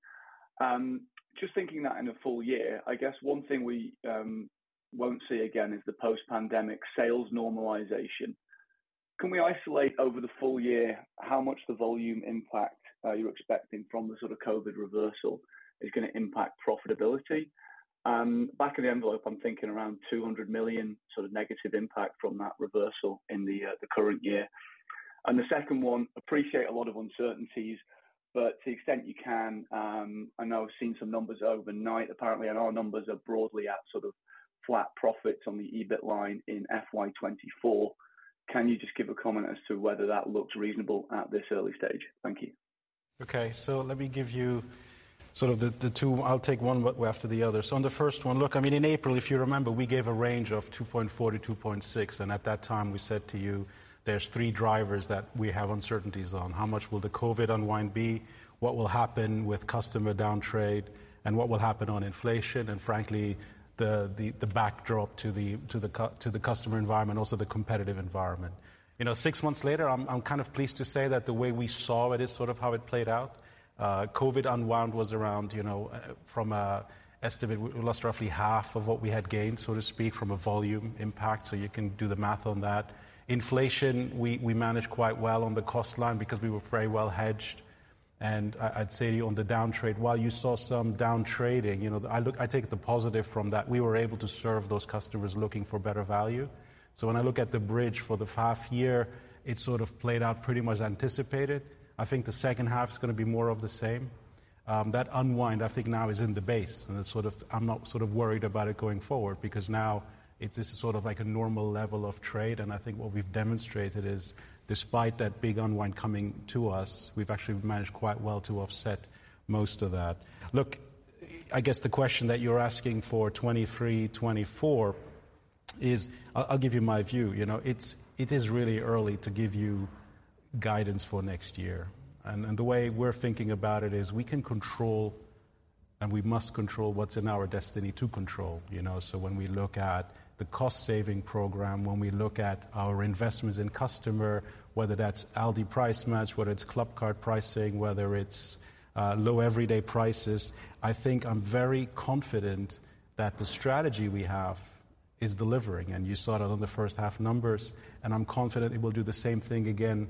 just thinking that in a full year, I guess one thing we won't see again is the post-pandemic sales normalization. Can we isolate over the full year how much the volume impact you're expecting from the sort of COVID reversal is gonna impact profitability? Back of the envelope, I'm thinking around 200 million sort of negative impact from that reversal in the current year. The second one, appreciate a lot of uncertainties, but to the extent you can, I know I've seen some numbers overnight, apparently, and our numbers are broadly at sort of flat profit on the EBIT line in FY 2024. Can you just give a comment as to whether that looks reasonable at this early stage? Thank you. Okay. Let me give you sort of the two. I'll take one after the other. On the first one, look, I mean, in April, if you remember, we gave a range of 2.4-2.6, and at that time we said to you, there's three drivers that we have uncertainties on. How much will the COVID unwind be? What will happen with customer down trade, and what will happen on inflation, and frankly, the backdrop to the customer environment, also the competitive environment. You know, six months later, I'm kind of pleased to say that the way we saw it is sort of how it played out. COVID unwind was around, you know, from an estimate, we lost roughly half of what we had gained, so to speak, from a volume impact, so you can do the math on that. Inflation, we managed quite well on the cost line because we were very well hedged. I'd say to you on the down trade, while you saw some down trading, you know, I take the positive from that. We were able to serve those customers looking for better value. When I look at the bridge for the half year, it sort of played out pretty much anticipated. I think the second half is gonna be more of the same. That unwind, I think now is in the base, and it's sort of I'm not sort of worried about it going forward because now it is sort of like a normal level of trade, and I think what we've demonstrated is despite that big unwind coming to us, we've actually managed quite well to offset most of that. Look, I guess the question that you're asking for 2023, 2024 is. I'll give you my view. You know, it is really early to give you guidance for next year. The way we're thinking about it is we can control, and we must control what's in our destiny to control, you know. When we look at the cost saving program, when we look at our investments in customer, whether that's Aldi Price Match, whether it's Clubcard pricing, whether it's low everyday prices, I think I'm very confident that the strategy we have is delivering, and you saw that on the first half numbers, and I'm confident it will do the same thing again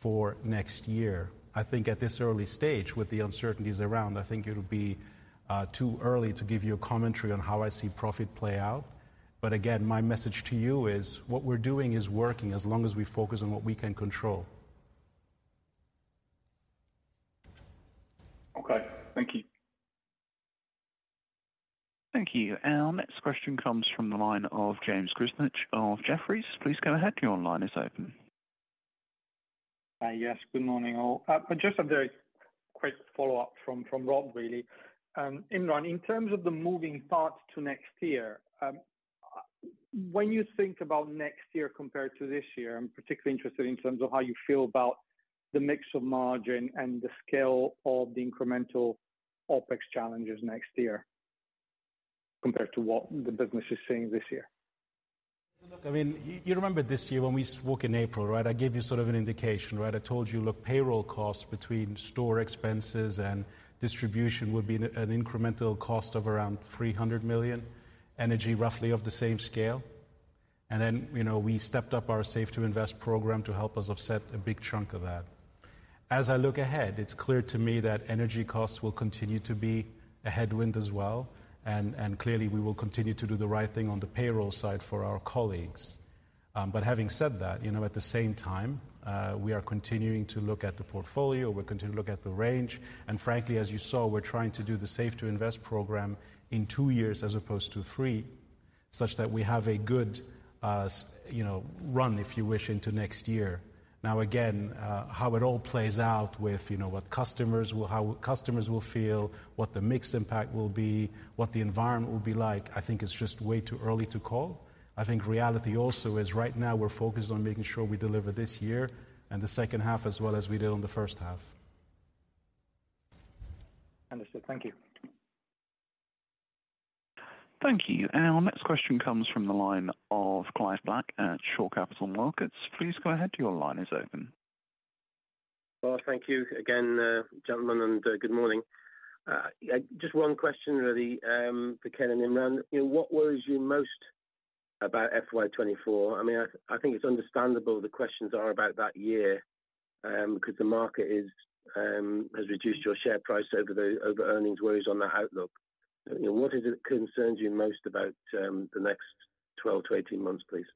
for next year. I think at this early stage, with the uncertainties around, I think it'll be too early to give you a commentary on how I see profit play out. But again, my message to you is what we're doing is working as long as we focus on what we can control. Okay. Thank you. Thank you. Our next question comes from the line of James Grzinic of Jefferies. Please go ahead. Your line is open. Yes. Good morning, all. Just a very quick follow-up from Rob, really. Imran, in terms of the moving parts to next year, when you think about next year compared to this year, I'm particularly interested in terms of how you feel about the mix of margin and the scale of the incremental OpEx challenges next year compared to what the business is seeing this year. Look, I mean, you remember this year when we spoke in April, right? I gave you sort of an indication, right? I told you, look, payroll costs between store expenses and distribution would be an incremental cost of around 300 million. Energy, roughly of the same scale. Then, you know, we stepped up our Save to Invest program to help us offset a big chunk of that. As I look ahead, it's clear to me that energy costs will continue to be a headwind as well, and clearly, we will continue to do the right thing on the payroll side for our colleagues. Having said that, you know, at the same time, we are continuing to look at the portfolio. We're continuing to look at the range. Frankly, as you saw, we're trying to do the Save to Invest program in two years as opposed to three, such that we have a good, you know, run, if you wish, into next year. Now again, how it all plays out with, you know, what customers will feel, what the mix impact will be, what the environment will be like, I think it's just way too early to call. I think reality also is right now we're focused on making sure we deliver this year and the second half as well as we did on the first half. Understood. Thank you. Thank you. Our next question comes from the line of Clive Black at Shore Capital Markets. Please go ahead. Your line is open. Well, thank you again, gentlemen, and good morning. Just one question really, for Ken and Imran. You know, what worries you most about FY 2024? I mean, I think it's understandable the questions are about that year, 'cause the market has reduced your share price over earnings worries on that outlook. You know, what is it that concerns you most about the next 12-18 months, please?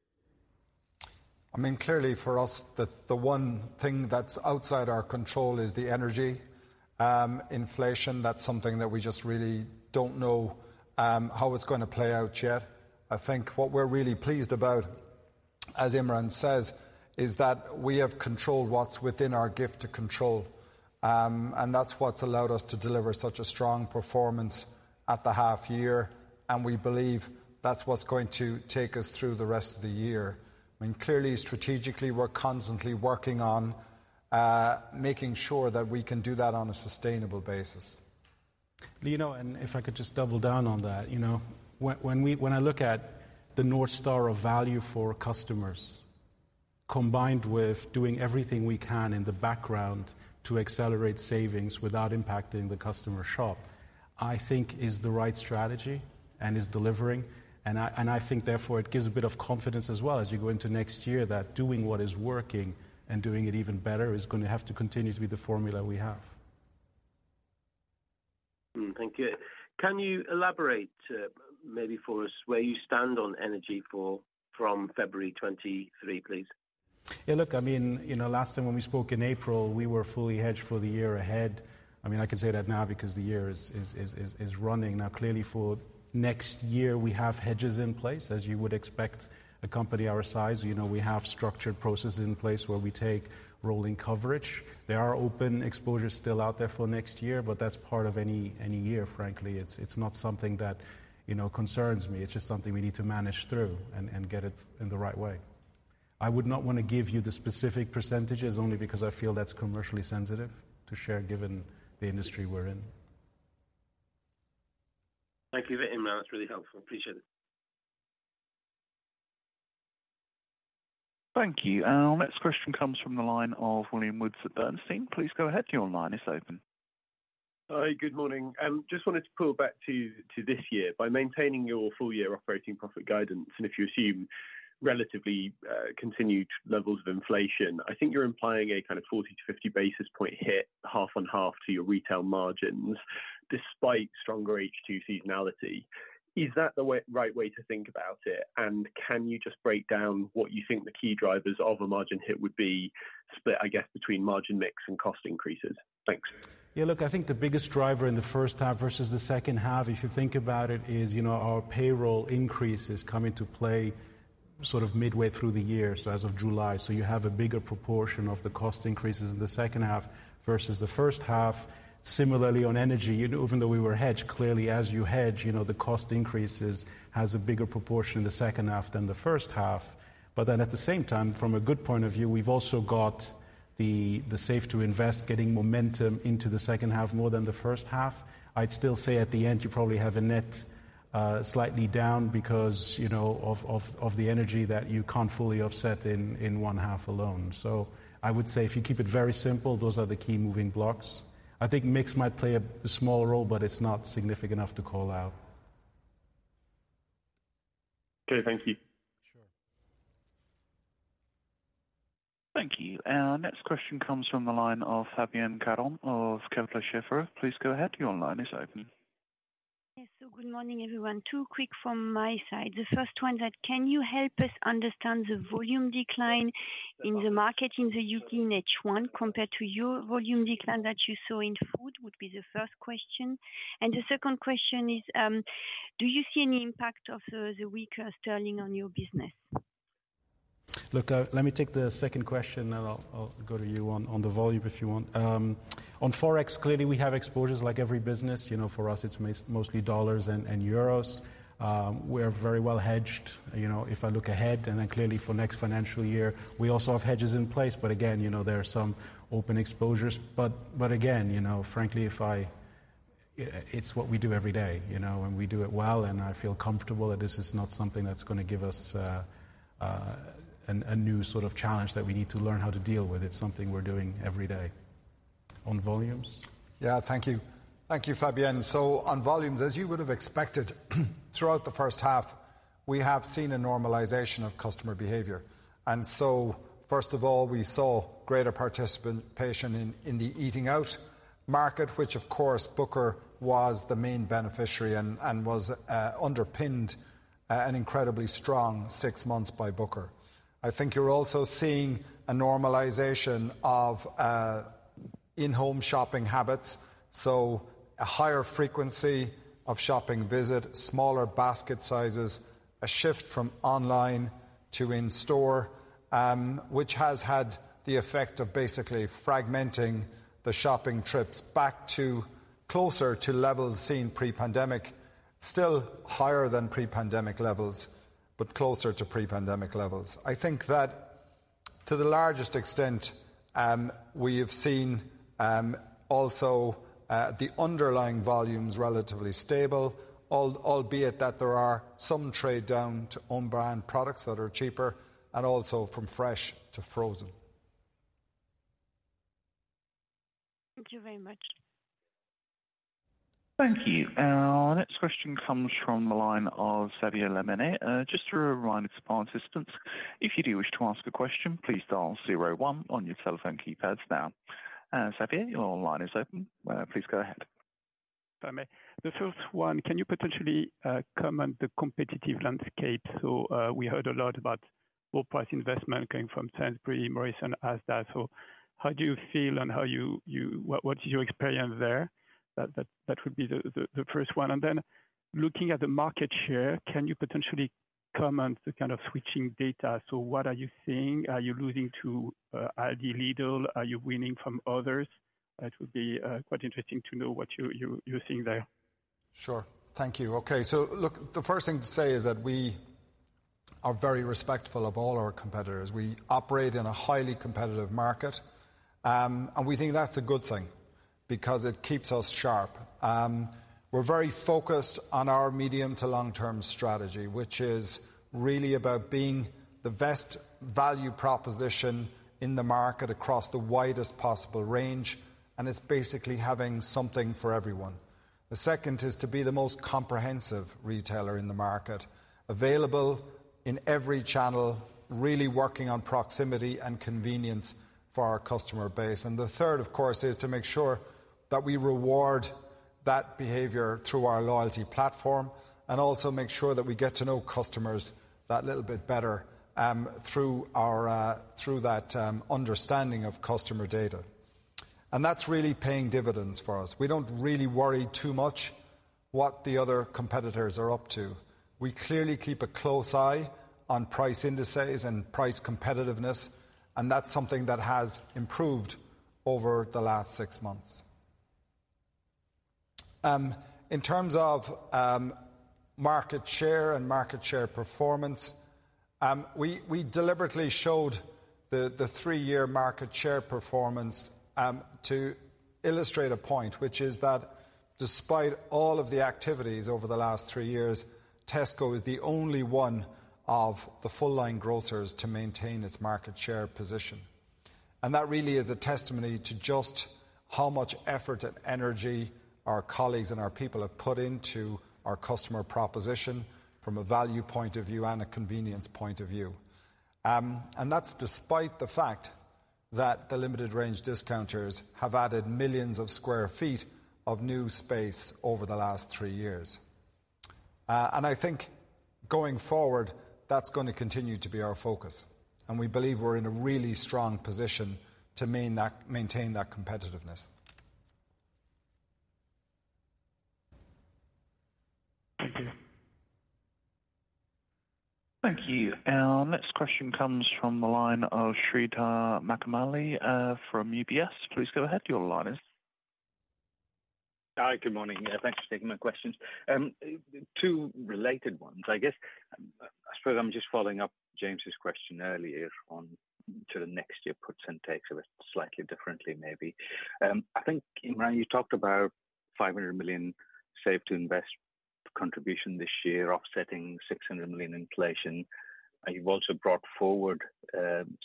I mean, clearly for us, the one thing that's outside our control is the energy inflation. That's something that we just really don't know how it's gonna play out yet. I think what we're really pleased about, as Imran says, is that we have controlled what's within our gift to control. That's what's allowed us to deliver such a strong performance at the half year, and we believe that's what's going to take us through the rest of the year. I mean, clearly, strategically, we're constantly working on making sure that we can do that on a sustainable basis. You know, if I could just double down on that. You know, when I look at the North Star of value for customers, combined with doing everything we can in the background to accelerate savings without impacting the customer shop, I think is the right strategy and is delivering. I think therefore, it gives a bit of confidence as well as you go into next year that doing what is working and doing it even better is gonna have to continue to be the formula we have. Thank you. Can you elaborate, maybe for us where you stand on energy from February 2023, please? Yeah, look, I mean, you know, last time when we spoke in April, we were fully hedged for the year ahead. I mean, I can say that now because the year is running. Now clearly for next year, we have hedges in place as you would expect a company our size. You know, we have structured processes in place where we take rolling coverage. There are open exposures still out there for next year, but that's part of any year, frankly. It's not something that, you know, concerns me. It's just something we need to manage through and get it in the right way. I would not wanna give you the specific percentages only because I feel that's commercially sensitive to share given the industry we're in. Thank you for that, Imran. That's really helpful. Appreciate it. Thank you. Our next question comes from the line of William Woods at Bernstein. Please go ahead. Your line is open. Hi. Good morning. Just wanted to pull back to this year. By maintaining your full year operating profit guidance, and if you assume relatively continued levels of inflation, I think you're implying a kind of 40-50 basis point hit half on half to your retail margins despite stronger H2 seasonality. Is that the right way to think about it? Can you just break down what you think the key drivers of a margin hit would be split, I guess, between margin mix and cost increases? Thanks. Yeah, look, I think the biggest driver in the first half versus the second half, if you think about it, is, you know, our payroll increases come into play sort of midway through the year, so as of July. You have a bigger proportion of the cost increases in the second half versus the first half. Similarly, on energy, you know, even though we were hedged, clearly as you hedge, you know, the cost increases has a bigger proportion in the second half than the first half. At the same time, from a good point of view, we've also got the Save to Invest getting momentum into the second half more than the first half. I'd still say at the end you probably have a net, slightly down because, you know, of the energy that you can't fully offset in one half alone. I would say if you keep it very simple, those are the key moving blocks. I think mix might play a small role, but it's not significant enough to call out. Okay, thank you. Sure. Thank you. Our next question comes from the line of Fabienne Caron of Kepler Cheuvreux. Please go ahead. Your line is open. Yes. Good morning, everyone. Two quick ones from my side. The first one: Can you help us understand the volume decline in the market in the U.K. in H1 compared to your volume decline that you saw in food? That would be the first question. The second question is, do you see any impact of the weaker sterling on your business? Look, let me take the second question, then I'll go to you on the volume if you want. On Forex, clearly we have exposures like every business. You know, for us it's mostly dollars and euros. We're very well hedged. You know, if I look ahead and then clearly for next financial year, we also have hedges in place. But again, you know, there are some open exposures. But again, you know, frankly, it's what we do every day, you know. And we do it well, and I feel comfortable that this is not something that's gonna give us a new sort of challenge that we need to learn how to deal with. It's something we're doing every day. On volumes? Yeah. Thank you. Thank you, Fabienne. On volumes, as you would have expected, throughout the first half, we have seen a normalization of customer behavior. First of all, we saw greater participation in the eating out market, which of course Booker was the main beneficiary and was underpinned an incredibly strong six months by Booker. I think you're also seeing a normalization of in-home shopping habits, so a higher frequency of shopping visit, smaller basket sizes, a shift from online to in-store, which has had the effect of basically fragmenting the shopping trips back to closer to levels seen pre-pandemic. Still higher than pre-pandemic levels, but closer to pre-pandemic levels. I think that to the largest extent, we have seen also the underlying volumes relatively stable, albeit that there are some trade down to own brand products that are cheaper and also from fresh to frozen. Thank you very much. Thank you. Our next question comes from the line of Xavier Le Mené. Just a reminder to participants, if you do wish to ask a question, please dial zero one on your telephone keypads now. Xavier, your line is open. Please go ahead. If I may. The first one, can you potentially comment the competitive landscape? We heard a lot about low price investment coming from Sainsbury's, Morrisons, Asda. How do you feel and how you? What is your experience there? That would be the first one. Then looking at the market share, can you potentially comment the kind of switching data? What are you seeing? Are you losing to Aldi, Lidl? Are you winning from others? It would be quite interesting to know what you are seeing there. Sure. Thank you. Okay. Look, the first thing to say is that we are very respectful of all our competitors. We operate in a highly competitive market, and we think that's a good thing because it keeps us sharp. We're very focused on our medium to long-term strategy, which is really about being the best value proposition in the market across the widest possible range, and it's basically having something for everyone. The second is to be the most comprehensive retailer in the market, available in every channel, really working on proximity and convenience for our customer base. The third, of course, is to make sure that we reward That behavior through our loyalty platform and also make sure that we get to know customers that little bit better, through that understanding of customer data. That's really paying dividends for us. We don't really worry too much what the other competitors are up to. We clearly keep a close eye on price indices and price competitiveness, and that's something that has improved over the last six months. In terms of market share and market share performance, we deliberately showed the three-year market share performance to illustrate a point, which is that despite all of the activities over the last three years, Tesco is the only one of the full line grocers to maintain its market share position. That really is a testimony to just how much effort and energy our colleagues and our people have put into our customer proposition from a value point of view and a convenience point of view. That's despite the fact that the limited range discounters have added millions of sq ft of new space over the last three years. I think going forward, that's gonna continue to be our focus, and we believe we're in a really strong position to maintain that competitiveness. Thank you. Thank you. Our next question comes from the line of Sreedhar Mahamkali from UBS. Please go ahead. Your line is. Hi. Good morning. Thanks for taking my questions. Two related ones, I guess. I suppose I'm just following up James's question earlier on to the next year puts and takes of it slightly differently maybe. I think, Imran, you talked about 500 million Save to Invest contribution this year, offsetting 600 million inflation. You've also brought forward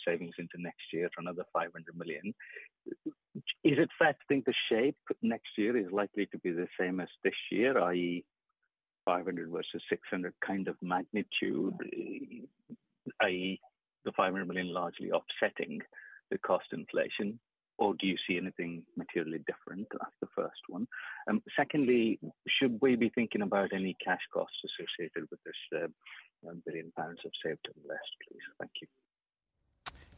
savings into next year for another 500 million. Is it fair to think the shape next year is likely to be the same as this year, i.e., 500 versus 600 kind of magnitude, i.e., the 500 million largely offsetting the cost inflation? Or do you see anything materially different? That's the first one. Secondly, should we be thinking about any cash costs associated with this, billion pounds of Save to Invest, please? Thank you.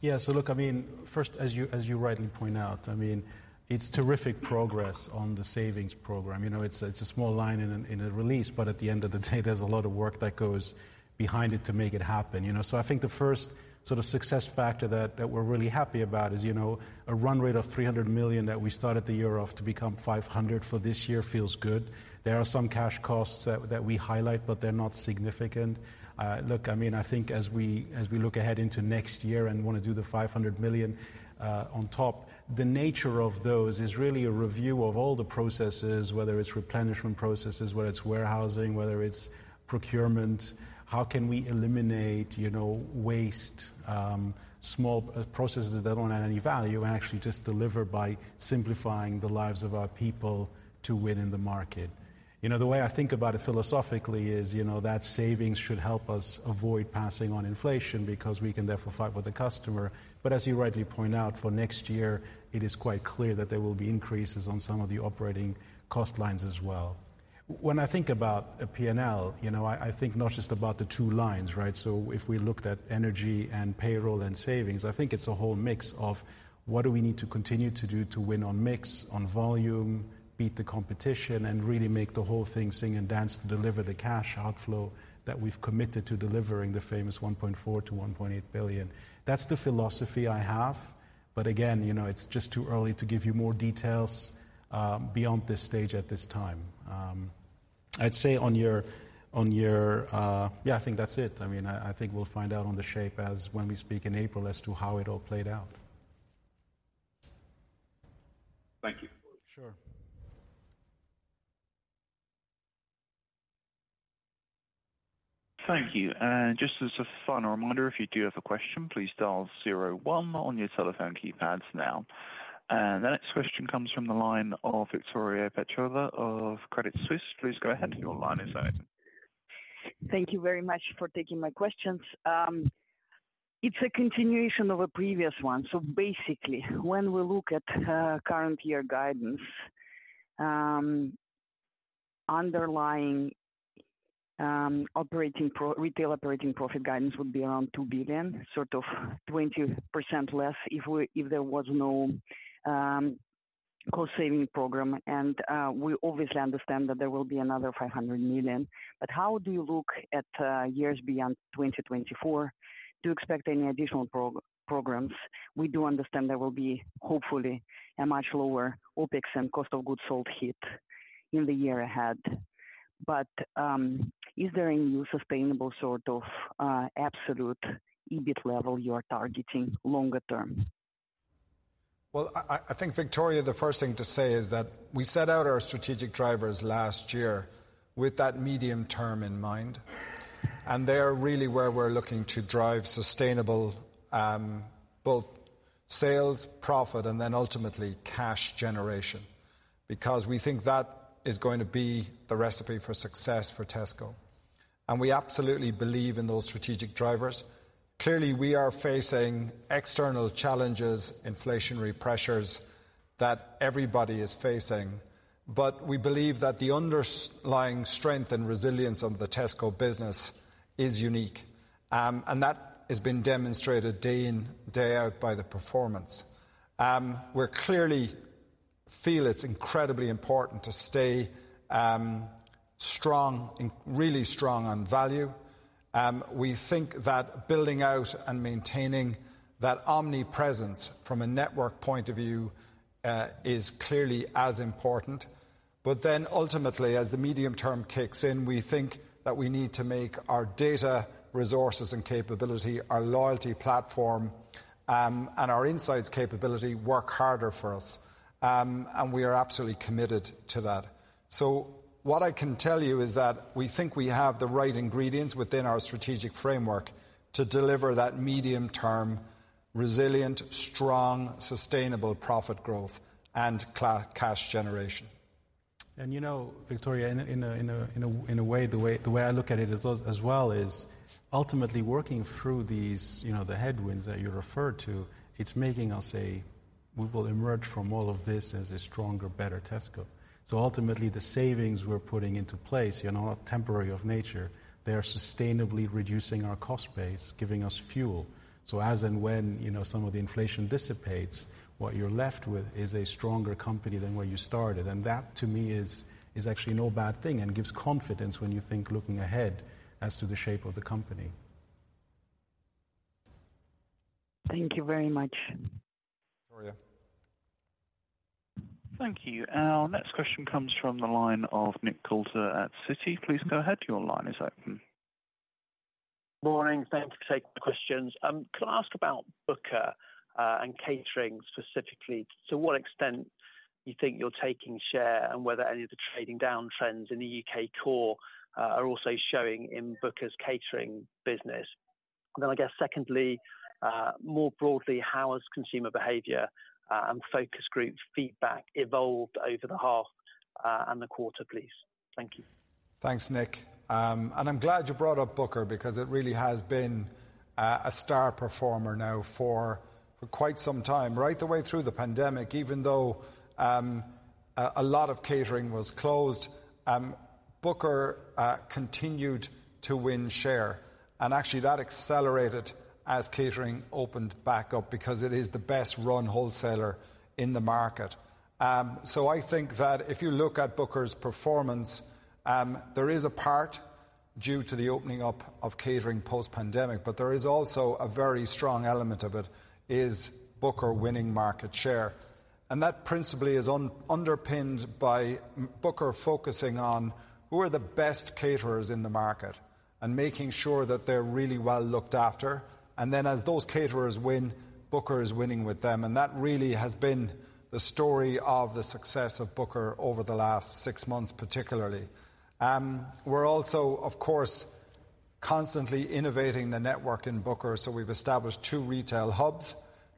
Yeah. Look, I mean, first, as you rightly point out, I mean, it's terrific progress on the savings program. You know, it's a small line in a release, but at the end of the day, there's a lot of work that goes behind it to make it happen, you know. I think the first sort of success factor that we're really happy about is, you know, a run rate of 300 million that we started the year off to become 500 million for this year feels good. There are some cash costs that we highlight, but they're not significant. Look, I mean, I think as we look ahead into next year and wanna do the 500 million on top, the nature of those is really a review of all the processes, whether it's replenishment processes, whether it's warehousing, whether it's procurement, how can we eliminate, you know, waste, small processes that don't add any value and actually just deliver by simplifying the lives of our people to win in the market. You know, the way I think about it philosophically is, you know, that savings should help us avoid passing on inflation because we can therefore fight with the customer. As you rightly point out, for next year it is quite clear that there will be increases on some of the operating cost lines as well. When I think about a P&L, you know, I think not just about the two lines, right? If we looked at energy and payroll and savings, I think it's a whole mix of what do we need to continue to do to win on mix, on volume, beat the competition and really make the whole thing sing and dance to deliver the cash outflow that we've committed to delivering the famous 1.4 billion-1.8 billion. That's the philosophy I have. Again, you know, it's just too early to give you more details beyond this stage at this time. I'd say on your. Yeah, I think that's it. I mean, I think we'll find out on the shape as when we speak in April as to how it all played out. Thank you. Sure. Thank you. Just as a final reminder, if you do have a question, please dial zero one on your telephone keypads now. The next question comes from the line of Victoria Petrova of Credit Suisse. Please go ahead. Your line is open. Thank you very much for taking my questions. It's a continuation of a previous one. Basically, when we look at current year guidance, underlying retail operating profit guidance would be around 2 billion, sort of 20% less if there was no cost saving program. We obviously understand that there will be another 500 million. How do you look at years beyond 2024 to expect any additional programs? We do understand there will be hopefully a much lower OpEx and cost of goods sold hit in the year ahead. Is there any sustainable sort of absolute EBIT level you are targeting longer-term? Well, I think, Victoria, the first thing to say is that we set out our strategic drivers last year with that medium-term in mind, and they are really where we're looking to drive sustainable, both sales, profit, and then ultimately cash generation, because we think that is going to be the recipe for success for Tesco. We absolutely believe in those strategic drivers. Clearly, we are facing external challenges, inflationary pressures that everybody is facing. We believe that the underlying strength and resilience of the Tesco business is unique, and that has been demonstrated day in, day out by the performance. We clearly feel it's incredibly important to stay strong, really strong on value. We think that building out and maintaining that omnipresence from a network point of view is clearly as important. Ultimately, as the medium-term kicks in, we think that we need to make our data resources and capability, our loyalty platform, and our insights capability work harder for us. We are absolutely committed to that. What I can tell you is that we think we have the right ingredients within our strategic framework to deliver that medium-term, resilient, strong, sustainable profit growth and cash generation. You know, Victoria, in a way, the way I look at it as well is ultimately working through these, you know, the headwinds that you referred to. It's making us say we will emerge from all of this as a stronger, better Tesco. Ultimately, the savings we're putting into place, you know, are temporary of nature. They are sustainably reducing our cost base, giving us fuel. As and when, you know, some of the inflation dissipates, what you're left with is a stronger company than where you started. That to me is actually no bad thing and gives confidence when you think looking ahead as to the shape of the company. Thank you very much. Victoria. Thank you. Our next question comes from the line of Nick Coulter at Citi. Please go ahead. Your line is open. Morning. Thanks for taking the questions. Can I ask about Booker, and catering specifically? To what extent you think you're taking share and whether any of the trading down trends in the U.K. core are also showing in Booker's catering business? I guess, secondly, more broadly, how has consumer behavior and focus group feedback evolved over the half and the quarter, please? Thank you. Thanks, Nick. I'm glad you brought up Booker because it really has been a star performer now for quite some time. Right the way through the pandemic, even though a lot of catering was closed, Booker continued to win share, and actually that accelerated as catering opened back up because it is the best run wholesaler in the market. I think that if you look at Booker's performance, there is a part due to the opening up of catering post pandemic, but there is also a very strong element of it is Booker winning market share. That principally is underpinned by Booker focusing on who are the best caterers in the market and making sure that they're really well looked after. As those caterers win, Booker is winning with them. That really has been the story of the success of Booker over the last six months, particularly. We're also, of course, constantly innovating the network in Booker. We've established two retail hubs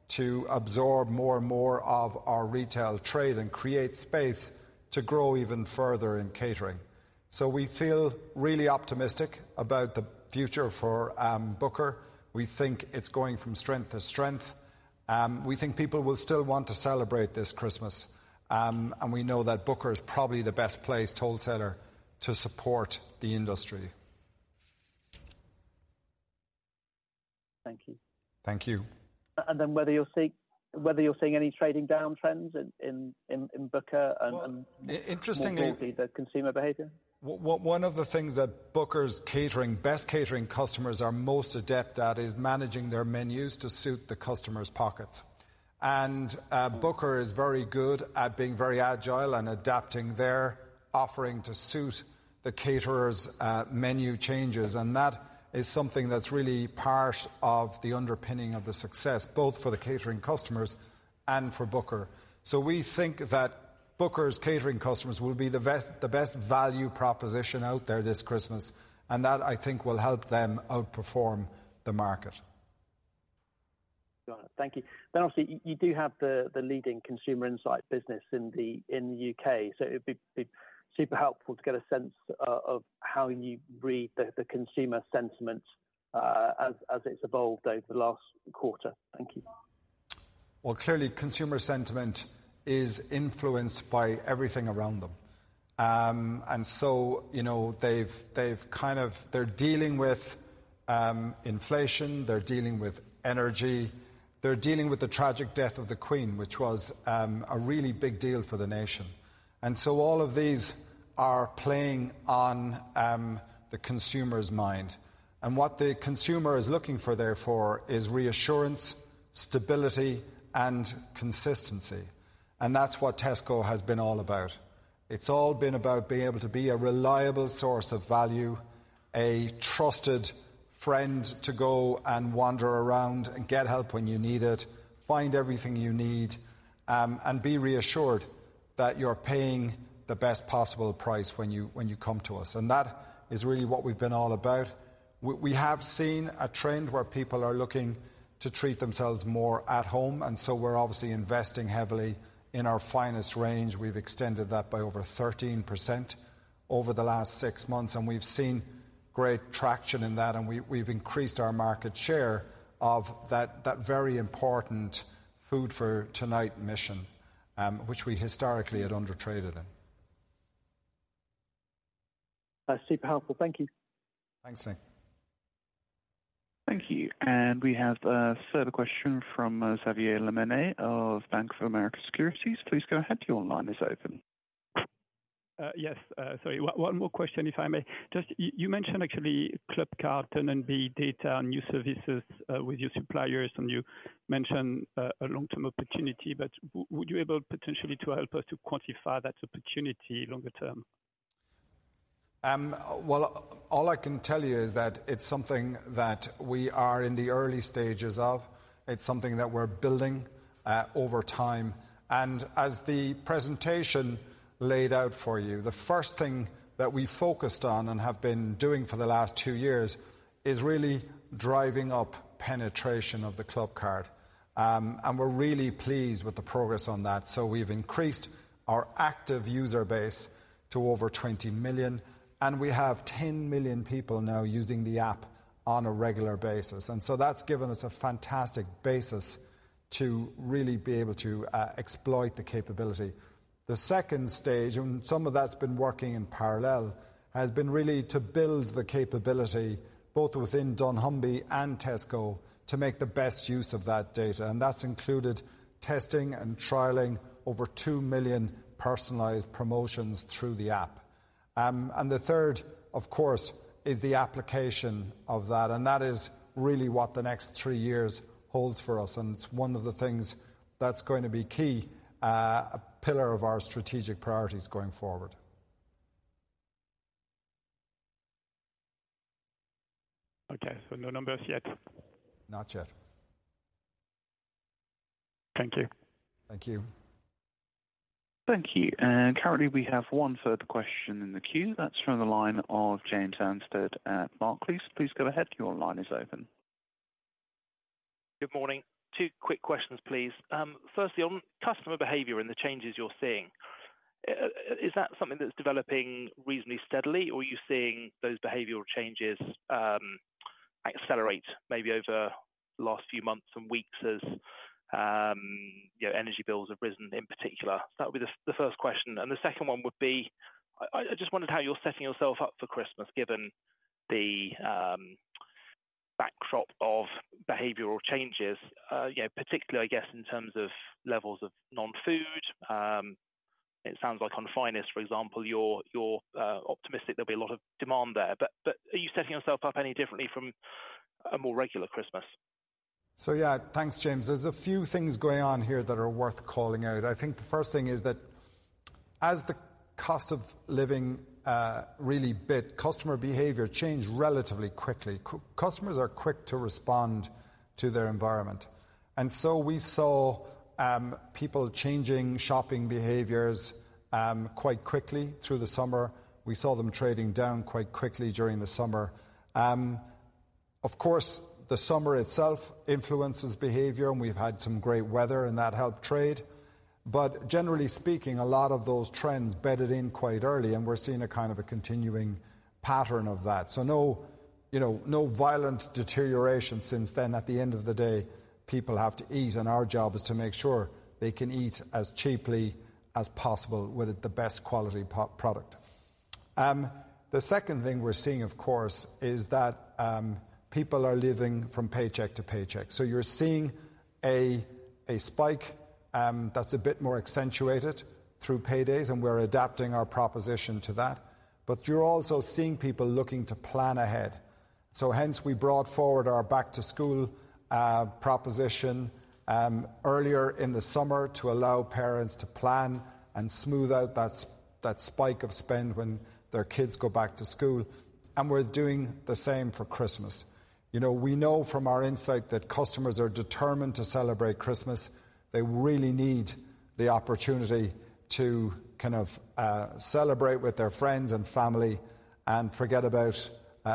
to absorb more and more of our retail trade and create space to grow even further in catering. We feel really optimistic about the future for Booker. We think it's going from strength to strength. We think people will still want to celebrate this Christmas. We know that Booker is probably the best placed wholesaler to support the industry. Thank you. Thank you. whether you're seeing any trading down trends in Booker and Well, interestingly. More broadly, the consumer behavior. One of the things that Booker's catering best catering customers are most adept at is managing their menus to suit the customer's pockets. Booker is very good at being very agile and adapting their offering to suit the caterer's menu changes. That is something that's really part of the underpinning of the success, both for the catering customers and for Booker. We think that Booker's catering customers will be the best value proposition out there this Christmas. That, I think, will help them outperform the market. Got it. Thank you. Now, obviously, you do have the leading consumer insight business in the U.K.. So it'd be super helpful to get a sense of how you read the consumer sentiment as it's evolved over the last quarter. Thank you. Well, clearly consumer sentiment is influenced by everything around them. You know, they're dealing with inflation, they're dealing with energy, they're dealing with the tragic death of The Queen, which was a really big deal for the nation. All of these are playing on the consumer's mind. What the consumer is looking for therefore is reassurance, stability, and consistency. That's what Tesco has been all about. It's all been about being able to be a reliable source of value, a trusted friend to go and wander around and get help when you need it, find everything you need, and be reassured that you're paying the best possible price when you come to us. That is really what we've been all about. We have seen a trend where people are looking to treat themselves more at home, and so we're obviously investing heavily in our Finest range. We've extended that by over 13% over the last six months, and we've seen great traction in that, and we've increased our market share of that very important food for tonight mission, which we historically had undertraded in. That's super helpful. Thank you. Thanks, Nick. Thank you. We have a further question from Xavier Le Mené of Bank of America Securities. Please go ahead. Your line is open. Yes. Sorry, one more question, if I may. Just you mentioned actually Clubcard and then the data and new services with your suppliers, and you mentioned a long-term opportunity, but would you able potentially to help us to quantify that opportunity longer-term? Well, all I can tell you is that it's something that we are in the early stages of. It's something that we're building over time. As the presentation laid out for you, the first thing that we focused on and have been doing for the last two years is really driving up penetration of the Clubcard. We're really pleased with the progress on that. We've increased our active user base to over 20 million, and we have 10 million people now using the app on a regular basis. That's given us a fantastic basis to really be able to exploit the capability. The second stage, and some of that's been working in parallel, has been really to build the capability both within dunnhumby and Tesco to make the best use of that data. That's included testing and trialing over two million personalized promotions through the app. The third, of course, is the application of that, and that is really what the next three years holds for us, and it's one of the things that's going to be key, a pillar of our strategic priorities going forward. Okay. No numbers yet? Not yet. Thank you. Thank you. Thank you. Currently, we have one further question in the queue. That's from the line of James Anstead at Barclays. Please go ahead. Your line is open. Good morning. Two quick questions, please. Firstly, on customer behavior and the changes you're seeing, is that something that's developing reasonably steadily, or are you seeing those behavioral changes accelerate maybe over the last few months and weeks as you know, energy bills have risen in particular? That would be the first question. The second one would be, I just wondered how you're setting yourself up for Christmas, given the backdrop of behavioral changes, you know, particularly, I guess, in terms of levels of non-food. It sounds like on Finest, for example, you're optimistic there'll be a lot of demand there. Are you setting yourself up any differently from a more regular Christmas? Yeah. Thanks, James. There's a few things going on here that are worth calling out. I think the first thing is that as the cost of living really bit, customer behavior changed relatively quickly. Customers are quick to respond to their environment. We saw people changing shopping behaviors quite quickly through the summer. We saw them trading down quite quickly during the summer. Of course, the summer itself influences behavior, and we've had some great weather and that helped trade. Generally speaking, a lot of those trends bedded in quite early, and we're seeing a kind of a continuing pattern of that. No, you know, no violent deterioration since then. At the end of the day, people have to eat, and our job is to make sure they can eat as cheaply as possible with the best quality product. The second thing we're seeing, of course, is that people are living from paycheck to paycheck. You're seeing a spike that's a bit more accentuated through paydays, and we're adapting our proposition to that. You're also seeing people looking to plan ahead. Hence we brought forward our back to school proposition earlier in the summer to allow parents to plan and smooth out that spike of spend when their kids go back to school. We're doing the same for Christmas. You know, we know from our insight that customers are determined to celebrate Christmas. They really need the opportunity to kind of celebrate with their friends and family and forget about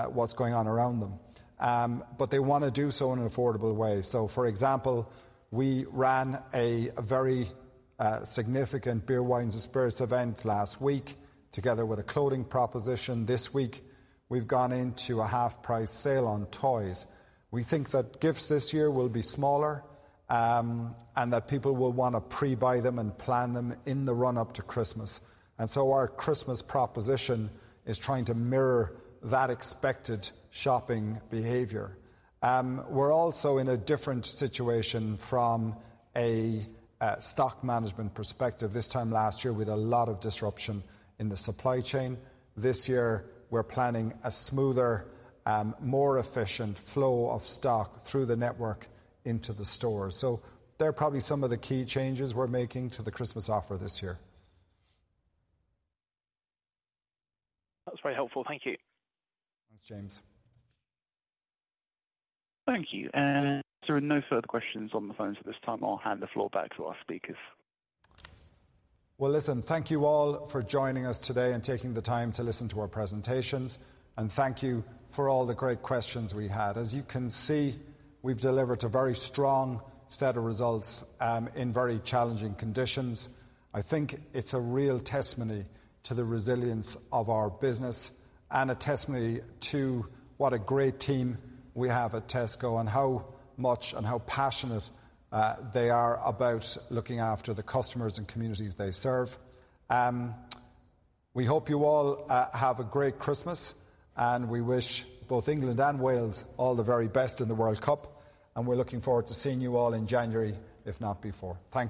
what's going on around them. They wanna do so in an affordable way. For example, we ran a very significant beer, wines, and spirits event last week together with a clothing proposition this week. We've gone into a half-price sale on toys. We think that gifts this year will be smaller, and that people will wanna pre-buy them and plan them in the run-up to Christmas. Our Christmas proposition is trying to mirror that expected shopping behavior. We're also in a different situation from a stock management perspective this time last year with a lot of disruption in the supply chain. This year, we're planning a smoother, more efficient flow of stock through the network into the store. They're probably some of the key changes we're making to the Christmas offer this year. That's very helpful. Thank you. Thanks, James. Thank you. There are no further questions on the phones at this time. I'll hand the floor back to our speakers. Well, listen, thank you all for joining us today and taking the time to listen to our presentations. Thank you for all the great questions we had. As you can see, we've delivered a very strong set of results in very challenging conditions. I think it's a real testimony to the resilience of our business and a testimony to what a great team we have at Tesco and how much and how passionate they are about looking after the customers and communities they serve. We hope you all have a great Christmas, and we wish both England and Wales all the very best in the World Cup, and we're looking forward to seeing you all in January, if not before. Thank you.